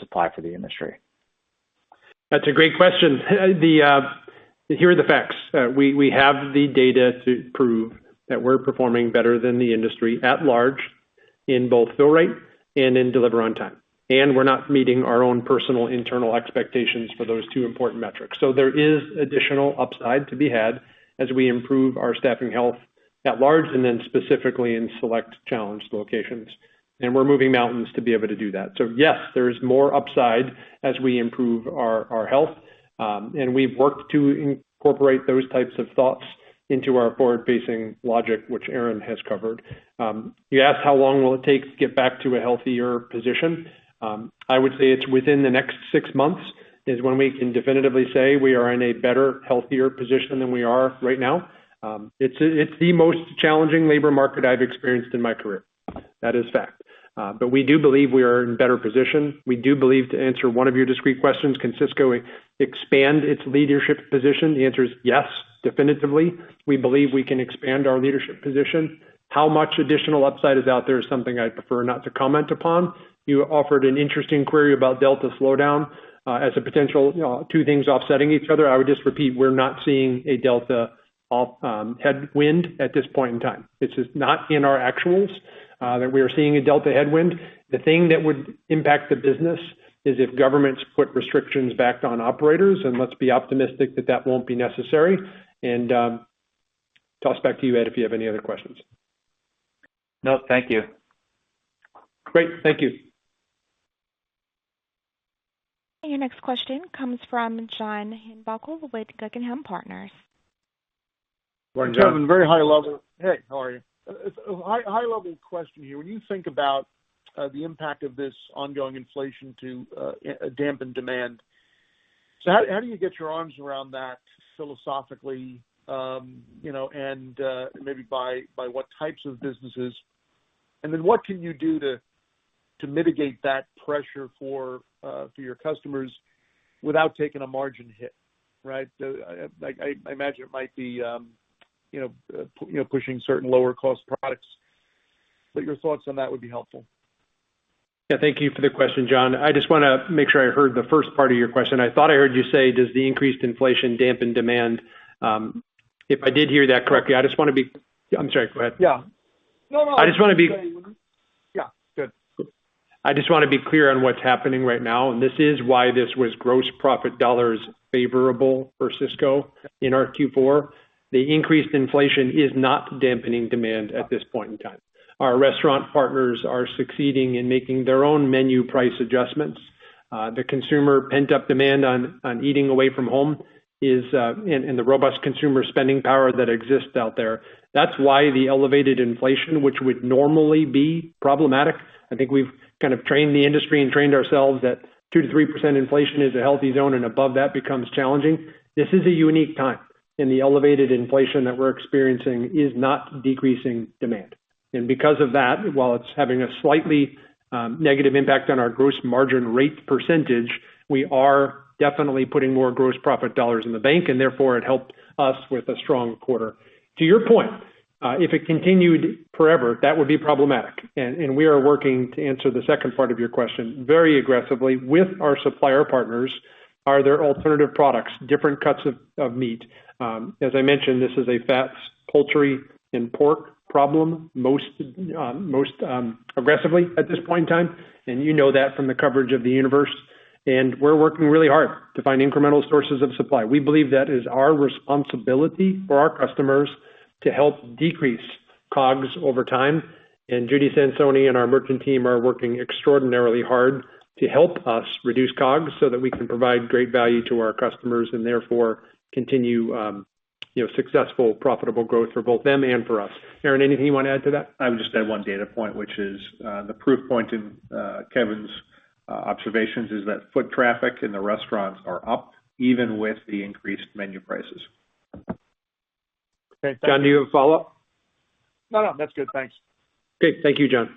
supply for the industry? That's a great question. Here are the facts. We have the data to prove that we're performing better than the industry at large in both fill rate and in deliver on time. We're not meeting our own personal internal expectations for those two important metrics. There is additional upside to be had as we improve our staffing health at large and then specifically in select challenged locations. We're moving mountains to be able to do that. Yes, there is more upside as we improve our health. We've worked to incorporate those types of thoughts into our forward-facing logic, which Aaron Alt has covered. You asked how long will it take to get back to a healthier position. I would say it's within the next six months is when we can definitively say we are in a better, healthier position than we are right now. It's the most challenging labor market I've experienced in my career. That is fact. We do believe we are in better position. We do believe, to answer one of your discrete questions, can Sysco expand its leadership position? The answer is yes, definitively. We believe we can expand our leadership position. How much additional upside is out there is something I'd prefer not to comment upon. You offered an interesting query about Delta slowdown as a potential two things offsetting each other. I would just repeat, we're not seeing a Delta headwind at this point in time. It's just not in our actuals that we are seeing a Delta headwind. The thing that would impact the business is if governments put restrictions back on operators, and let's be optimistic that that won't be necessary. Toss back to you, Ed, if you have any other questions. No, thank you. Great. Thank you. Your next question comes from John Heinbockel with Guggenheim Partners. John, very high level. Hey, how are you? High-level question here. When you think about the impact of this ongoing inflation to dampen demand, how do you get your arms around that philosophically and maybe by what types of businesses? What can you do to mitigate that pressure for your customers without taking a margin hit, right? I imagine it might be pushing certain lower cost products, but your thoughts on that would be helpful. Yeah, thank you for the question, John. I just want to make sure I heard the first part of your question. I thought I heard you say, does the increased inflation dampen demand? If I did hear that correctly, I'm sorry. Go ahead. Yeah. No, no. I just want to be- Yeah. Good I just want to be clear on what's happening right now, and this is why this was gross profit dollars favorable for Sysco in our Q4. The increased inflation is not dampening demand at this point in time. Our restaurant partners are succeeding in making their own menu price adjustments. The consumer pent-up demand on eating away from home and the robust consumer spending power that exists out there. That's why the elevated inflation, which would normally be problematic. I think we've kind of trained the industry and trained ourselves that 2%-3% inflation is a healthy zone, and above that becomes challenging. This is a unique time, and the elevated inflation that we're experiencing is not decreasing demand. Because of that, while it's having a slightly negative impact on our gross margin rate percentage, we are definitely putting more gross profit dollars in the bank, and therefore, it helped us with a strong quarter. To your point. If it continued forever, that would be problematic. We are working to answer the second part of your question very aggressively with our supplier partners. Are there alternative products, different cuts of meat? As I mentioned, this is a fats, poultry, and pork problem, most aggressively at this point in time, and you know that from the coverage of the universe. We're working really hard to find incremental sources of supply. We believe that is our responsibility for our customers to help decrease COGS over time. Judy Sansone and our merchant team are working extraordinarily hard to help us reduce COGS so that we can provide great value to our customers and therefore continue successful, profitable growth for both them and for us. Aaron, anything you want to add to that? I would just add one data point, which is the proof point in Kevin's observations is that foot traffic in the restaurants are up even with the increased menu prices. Okay. Thank you. John, do you have a follow-up? No, that's good. Thanks. Okay. Thank you, John.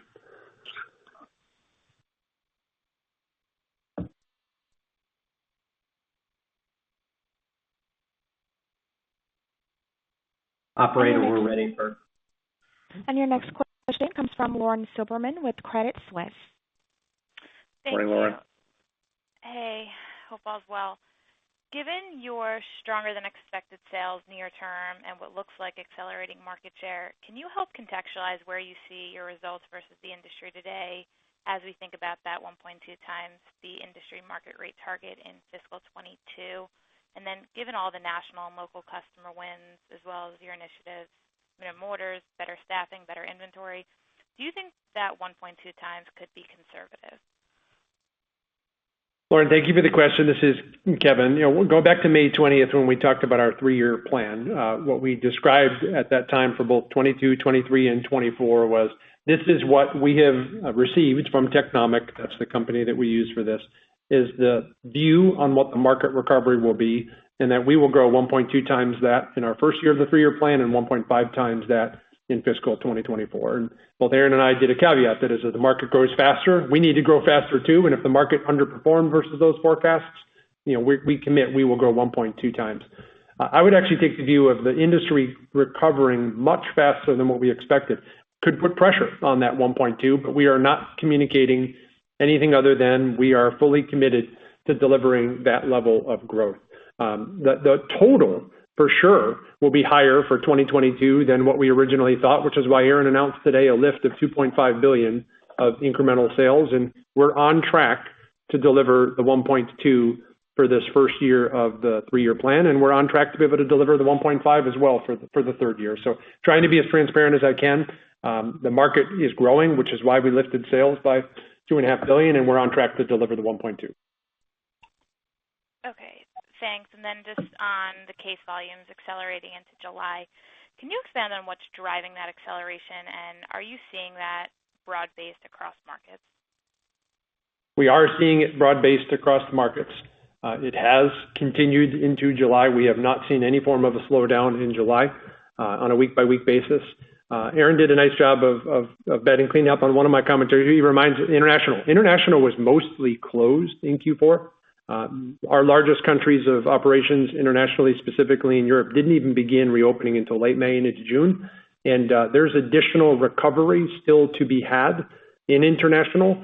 Operator, we're ready for Your next question comes from Lauren Silberman with Credit Suisse. Good morning, Lauren. Hey. Hope all is well. Given your stronger than expected sales near term and what looks like accelerating market share, can you help contextualize where you see your results versus the industry today as we think about that 1.2x the industry market rate target in fiscal 2022? Given all the national and local customer wins, as well as your initiatives, whether more doors, better staffing, better inventory, do you think that 1.2x could be conservative? Lauren, thank you for the question. This is Kevin. Going back to May 20th, when we talked about our three-year plan. What we described at that time for both 2022, 2023, and 2024 was, this is what we have received from Technomic, that's the company that we use for this, is the view on what the market recovery will be, and that we will grow 1.2x that in our first year of the three-year plan and 1.5x that in fiscal 2024. Both Aaron Alt and I did a caveat that as the market grows faster, we need to grow faster too, and if the market underperformed versus those forecasts, we commit we will grow 1.2x. I would actually take the view of the industry recovering much faster than what we expected could put pressure on that 1.2x, but we are not communicating anything other than we are fully committed to delivering that level of growth. The total, for sure, will be higher for 2022 than what we originally thought, which is why Aaron announced today a lift of $2.5 billion of incremental sales. We're on track to deliver the 1.2x for this first year of the 3-year plan, and we're on track to be able to deliver the 1.5x as well for the third year. Trying to be as transparent as I can. The market is growing, which is why we lifted sales by $2.5 billion, and we're on track to deliver the 1.2x. Okay, thanks. Just on the case volumes accelerating into July, can you expand on what's driving that acceleration, and are you seeing that broad-based across markets? We are seeing it broad-based across markets. It has continued into July. We have not seen any form of a slowdown in July on a week-by-week basis. Aaron Alt did a nice job of cleaning up on one of my commentary. International. International was mostly closed in Q4. Our largest countries of operations internationally, specifically in Europe, didn't even begin reopening until late May into June. There's additional recovery still to be had in international,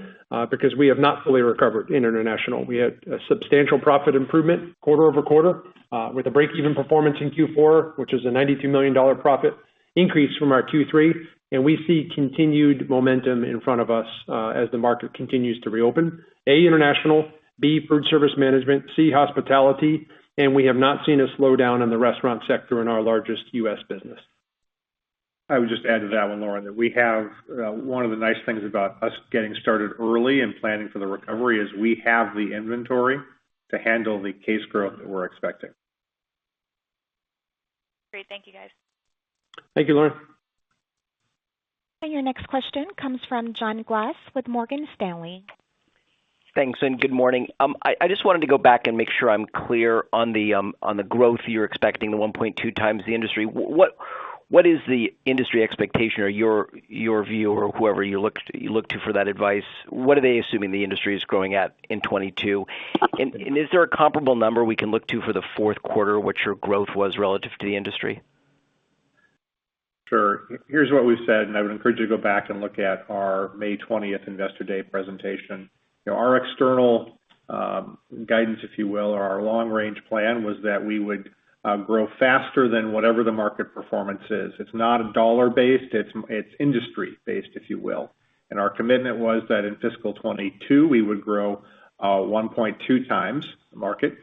because we have not fully recovered in international. We had a substantial profit improvement quarter-over-quarter with a break-even performance in Q4, which is a $92 million profit increase from our Q3, and we see continued momentum in front of us as the market continues to reopen. A, international, b, food service management, c, hospitality, and we have not seen a slowdown in the restaurant sector in our largest U.S. business. I would just add to that one, Lauren, that we have one of the nice things about us getting started early and planning for the recovery is we have the inventory to handle the case growth that we're expecting. Great. Thank you, guys. Thank you, Lauren. Your next question comes from John Glass with Morgan Stanley. Thanks. Good morning. I just wanted to go back and make sure I'm clear on the growth you're expecting, the 1.2x the industry. What is the industry expectation or your view, or whoever you look to for that advice, what are they assuming the industry is growing at in 2022? Is there a comparable number we can look to for the fourth quarter, what your growth was relative to the industry? Sure. Here's what we've said, and I would encourage you to go back and look at our May 20th Investor Day presentation. Our external guidance, if you will, or our long-range plan, was that we would grow faster than whatever the market performance is. It's not dollar based, it's industry based, if you will. Our commitment was that in fiscal 2022, we would grow 1.2x the market,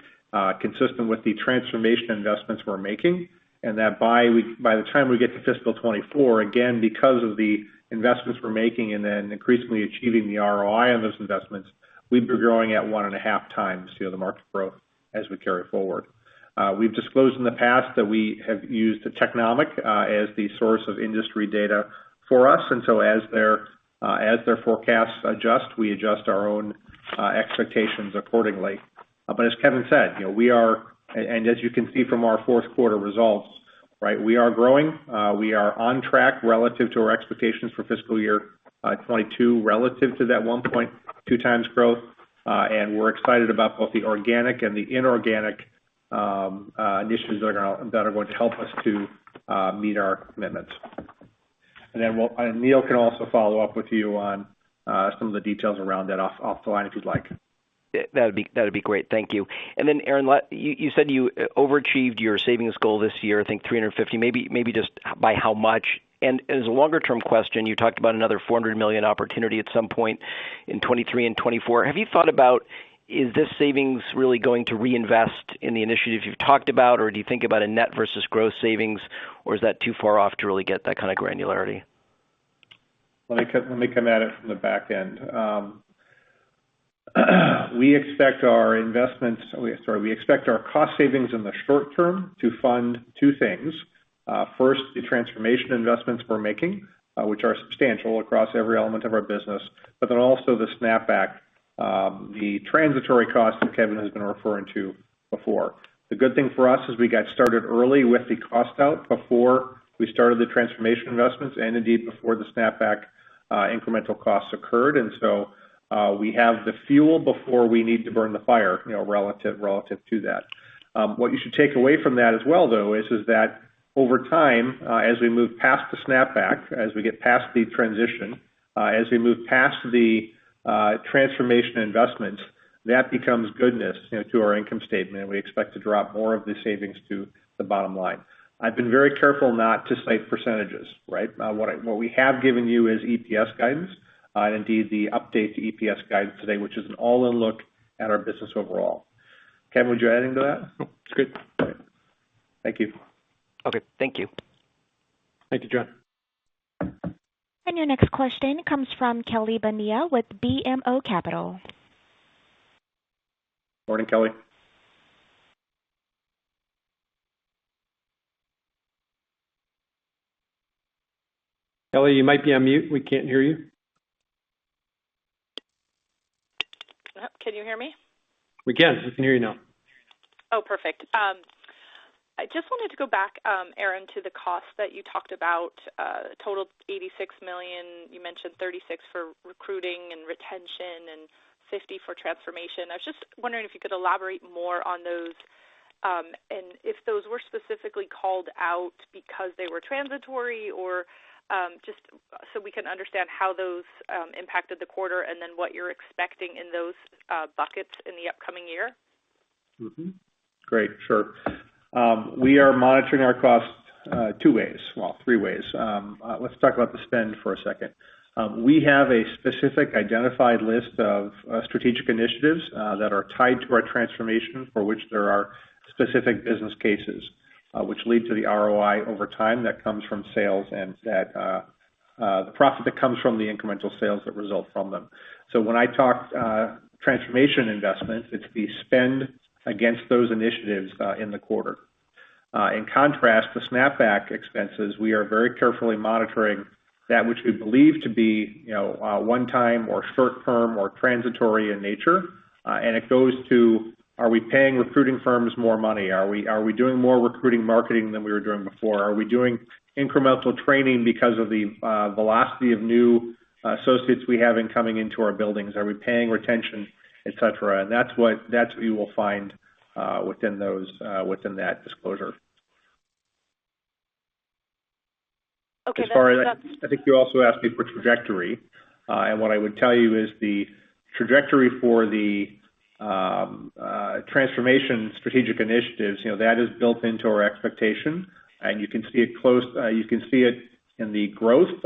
consistent with the transformation investments we're making, and that by the time we get to fiscal 2024, again, because of the investments we're making and then increasingly achieving the ROI on those investments, we'd be growing at 1.5x the market growth as we carry forward. We've disclosed in the past that we have used Technomic as the source of industry data for us. As their forecasts adjust, we adjust our own expectations accordingly. As Kevin said, as you can see from our fourth quarter results. We are growing. We are on track relative to our expectations for fiscal year 2022 relative to that 1.2x growth. We are excited about both the organic and the inorganic initiatives that are going to help us to meet our commitments. Neil can also follow up with you on some of the details around that off the line if you'd like. That'd be great. Thank you. Aaron, you said you overachieved your savings goal this year, I think $350. Maybe just by how much? As a longer-term question, you talked about another $400 million opportunity at some point in 2023 and 2024. Have you thought about, is this savings really going to reinvest in the initiatives you've talked about, or do you think about a net versus gross savings, or is that too far off to really get that kind of granularity? Let me come at it from the back end. We expect our cost savings in the short term to fund two things. First, the transformation investments we're making, which are substantial across every element of our business, but then also the snapback, the transitory cost that Kevin has been referring to before. The good thing for us is we got started early with the cost out before we started the transformation investments, and indeed before the snapback incremental costs occurred. So we have the fuel before we need to burn the fire relative to that. What you should take away from that as well, though, is that over time as we move past the snapback, as we get past the transition, as we move past the transformation investments, that becomes goodness to our income statement, and we expect to drop more of the savings to the bottom line. I've been very careful not to cite percentages, right? What we have given you is EPS guidance and indeed the update to EPS guidance today, which is an all-in look at our business overall. Kevin, would you add anything to that? It's good. Thank you. Okay. Thank you. Thank you, John. Your next question comes from Kelly Bania with BMO Capital. Morning, Kelly. Kelly, you might be on mute. We can't hear you. Can you hear me? We can. We can hear you now. Perfect. I just wanted to go back, Aaron, to the cost that you talked about totaled $86 million. You mentioned $36 for recruiting and retention and $50 for transformation. I was just wondering if you could elaborate more on those, and if those were specifically called out because they were transitory or just so we can understand how those impacted the quarter and then what you're expecting in those buckets in the upcoming year. Great. Sure. We are monitoring our costs two ways. Well, three ways. Let's talk about the spend for a second. We have a specific identified list of strategic initiatives that are tied to our transformation for which there are specific business cases, which lead to the ROI over time that comes from sales and the profit that comes from the incremental sales that result from them. When I talk transformation investments, it's the spend against those initiatives in the quarter. In contrast, the snapback expenses, we are very carefully monitoring that which we believe to be one time or short-term or transitory in nature. It goes to, are we paying recruiting firms more money? Are we doing more recruiting marketing than we were doing before? Are we doing incremental training because of the velocity of new associates we have in coming into our buildings? Are we paying retention, et cetera? That's what you will find within that disclosure. Okay, that's- I think you also asked me for trajectory. What I would tell you is the trajectory for the transformation strategic initiatives, that is built into our expectation, and you can see it in the growth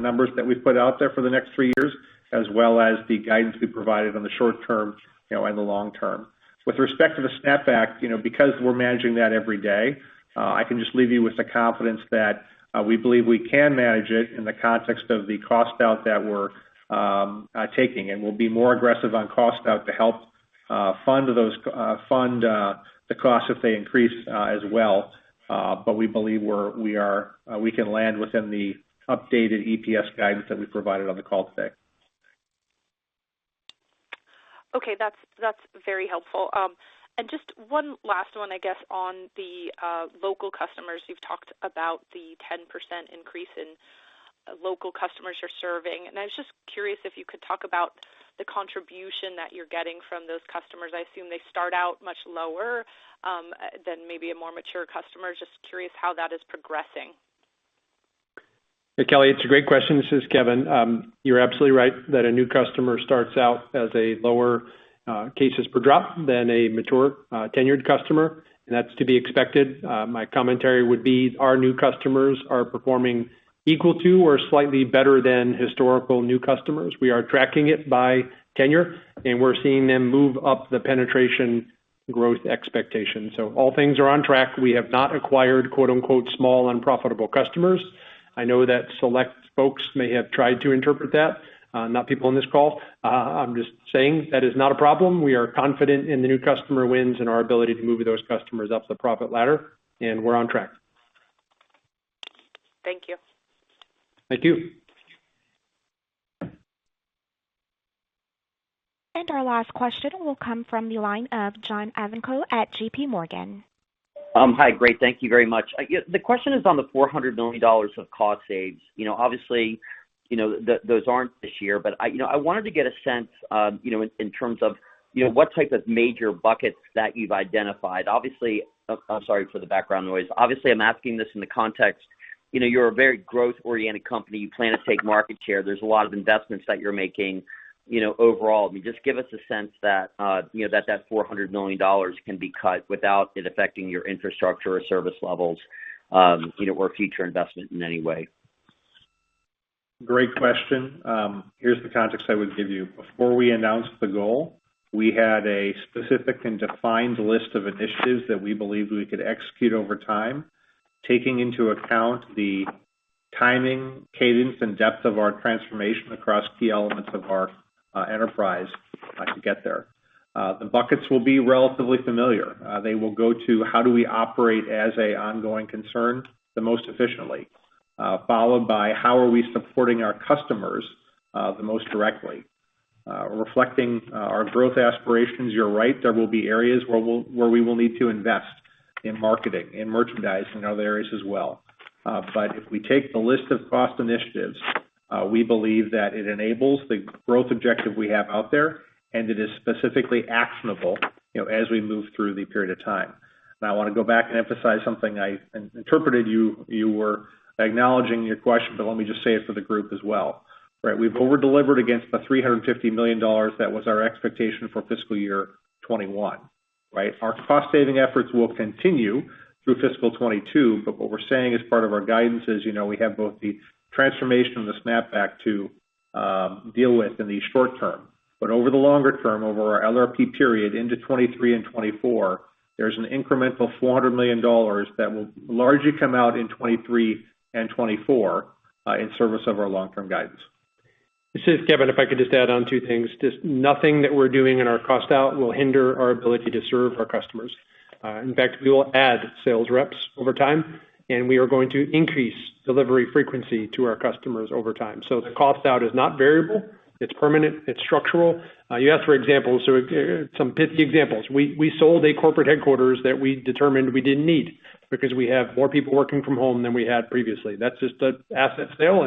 numbers that we've put out there for the next three years, as well as the guidance we provided on the short term and the long term. With respect to the snapback, because we're managing that every day, I can just leave you with the confidence that we believe we can manage it in the context of the cost out that we're taking, and we'll be more aggressive on cost out to help fund the costs if they increase as well. We believe we can land within the updated EPS guidance that we provided on the call today. Okay. That's very helpful. Just one last one, I guess, on the local customers. You've talked about the 10% increase in local customers you're serving, and I was just curious if you could talk about the contribution that you're getting from those customers. I assume they start out much lower than maybe a more mature customer. Just curious how that is progressing. Hey, Kelly, it's a great question. This is Kevin. You're absolutely right that a new customer starts out as a lower cases per drop than a mature tenured customer. That's to be expected. My commentary would be our new customers are performing equal to or slightly better than historical new customers. We are tracking it by tenure, we're seeing them move up the penetration growth expectation. All things are on track. We have not acquired "small unprofitable customers." I know that select folks may have tried to interpret that, not people on this call. I'm just saying that is not a problem. We are confident in the new customer wins and our ability to move those customers up the profit ladder. We're on track. Thank you. Thank you. Our last question will come from the line of John Ivankoe at JPMorgan. Hi. Great. Thank you very much. The question is on the $400 million of cost saves. Obviously, those aren't this year, but I wanted to get a sense in terms of what type of major buckets that you've identified. I'm sorry for the background noise. Obviously, I'm asking this in the context, you're a very growth-oriented company. You plan to take market share. There's a lot of investments that you're making overall. Can you just give us a sense that $400 million can be cut without it affecting your infrastructure or service levels, or future investment in any way? Great question. Here's the context I would give you. Before we announced the goal, we had a specific and defined list of initiatives that we believed we could execute over time, taking into account the timing, cadence, and depth of our transformation across key elements of our enterprise to get there. The buckets will be relatively familiar. They will go to how do we operate as an ongoing concern the most efficiently, followed by how are we supporting our customers the most directly? Reflecting our growth aspirations, you're right, there will be areas where we will need to invest in marketing, in merchandising, other areas as well. If we take the list of cost initiatives, we believe that it enables the growth objective we have out there, and it is specifically actionable as we move through the period of time. Now, I want to go back and emphasize something I interpreted you were acknowledging in your question, but let me just say it for the group as well. We've over-delivered against the $350 million that was our expectation for FY 2021. Our cost-saving efforts will continue through FY 2022, but what we're saying as part of our guidance is, we have both the transformation and the snap-back to deal with in the short term. Over the longer term, over our LRP period into 2023 and 2024, there's an incremental $400 million that will largely come out in 2023 and 2024 in service of our long-term guidance. This is Kevin. If I could just add on two things. Just nothing that we're doing in our cost out will hinder our ability to serve our customers. In fact, we will add sales reps over time, and we are going to increase delivery frequency to our customers over time. The cost out is not variable. It's permanent. It's structural. You asked for examples, so some pithy examples. We sold a corporate headquarters that we determined we didn't need because we have more people working from home than we had previously. That's just an asset sale,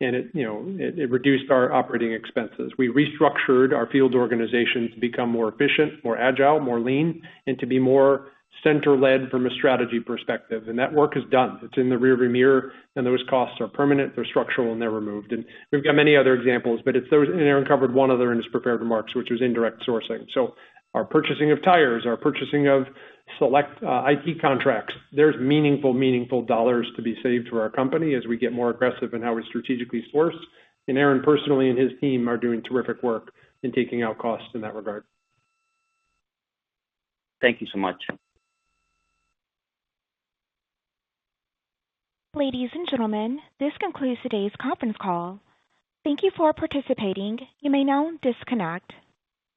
and it reduced our operating expenses. We restructured our field organization to become more efficient, more agile, more lean, and to be more center-led from a strategy perspective. That work is done. It's in the rear view mirror, and those costs are permanent, they're structural, and they're removed. We've got many other examples, Aaron covered one other in his prepared remarks, which was indirect sourcing. Our purchasing of tires, our purchasing of select IT contracts, there's meaningful dollars to be saved for our company as we get more aggressive in how we strategically source. Aaron personally and his team are doing terrific work in taking out costs in that regard. Thank you so much. Ladies and gentlemen, this concludes today's conference call. Thank you for participating. You may now disconnect.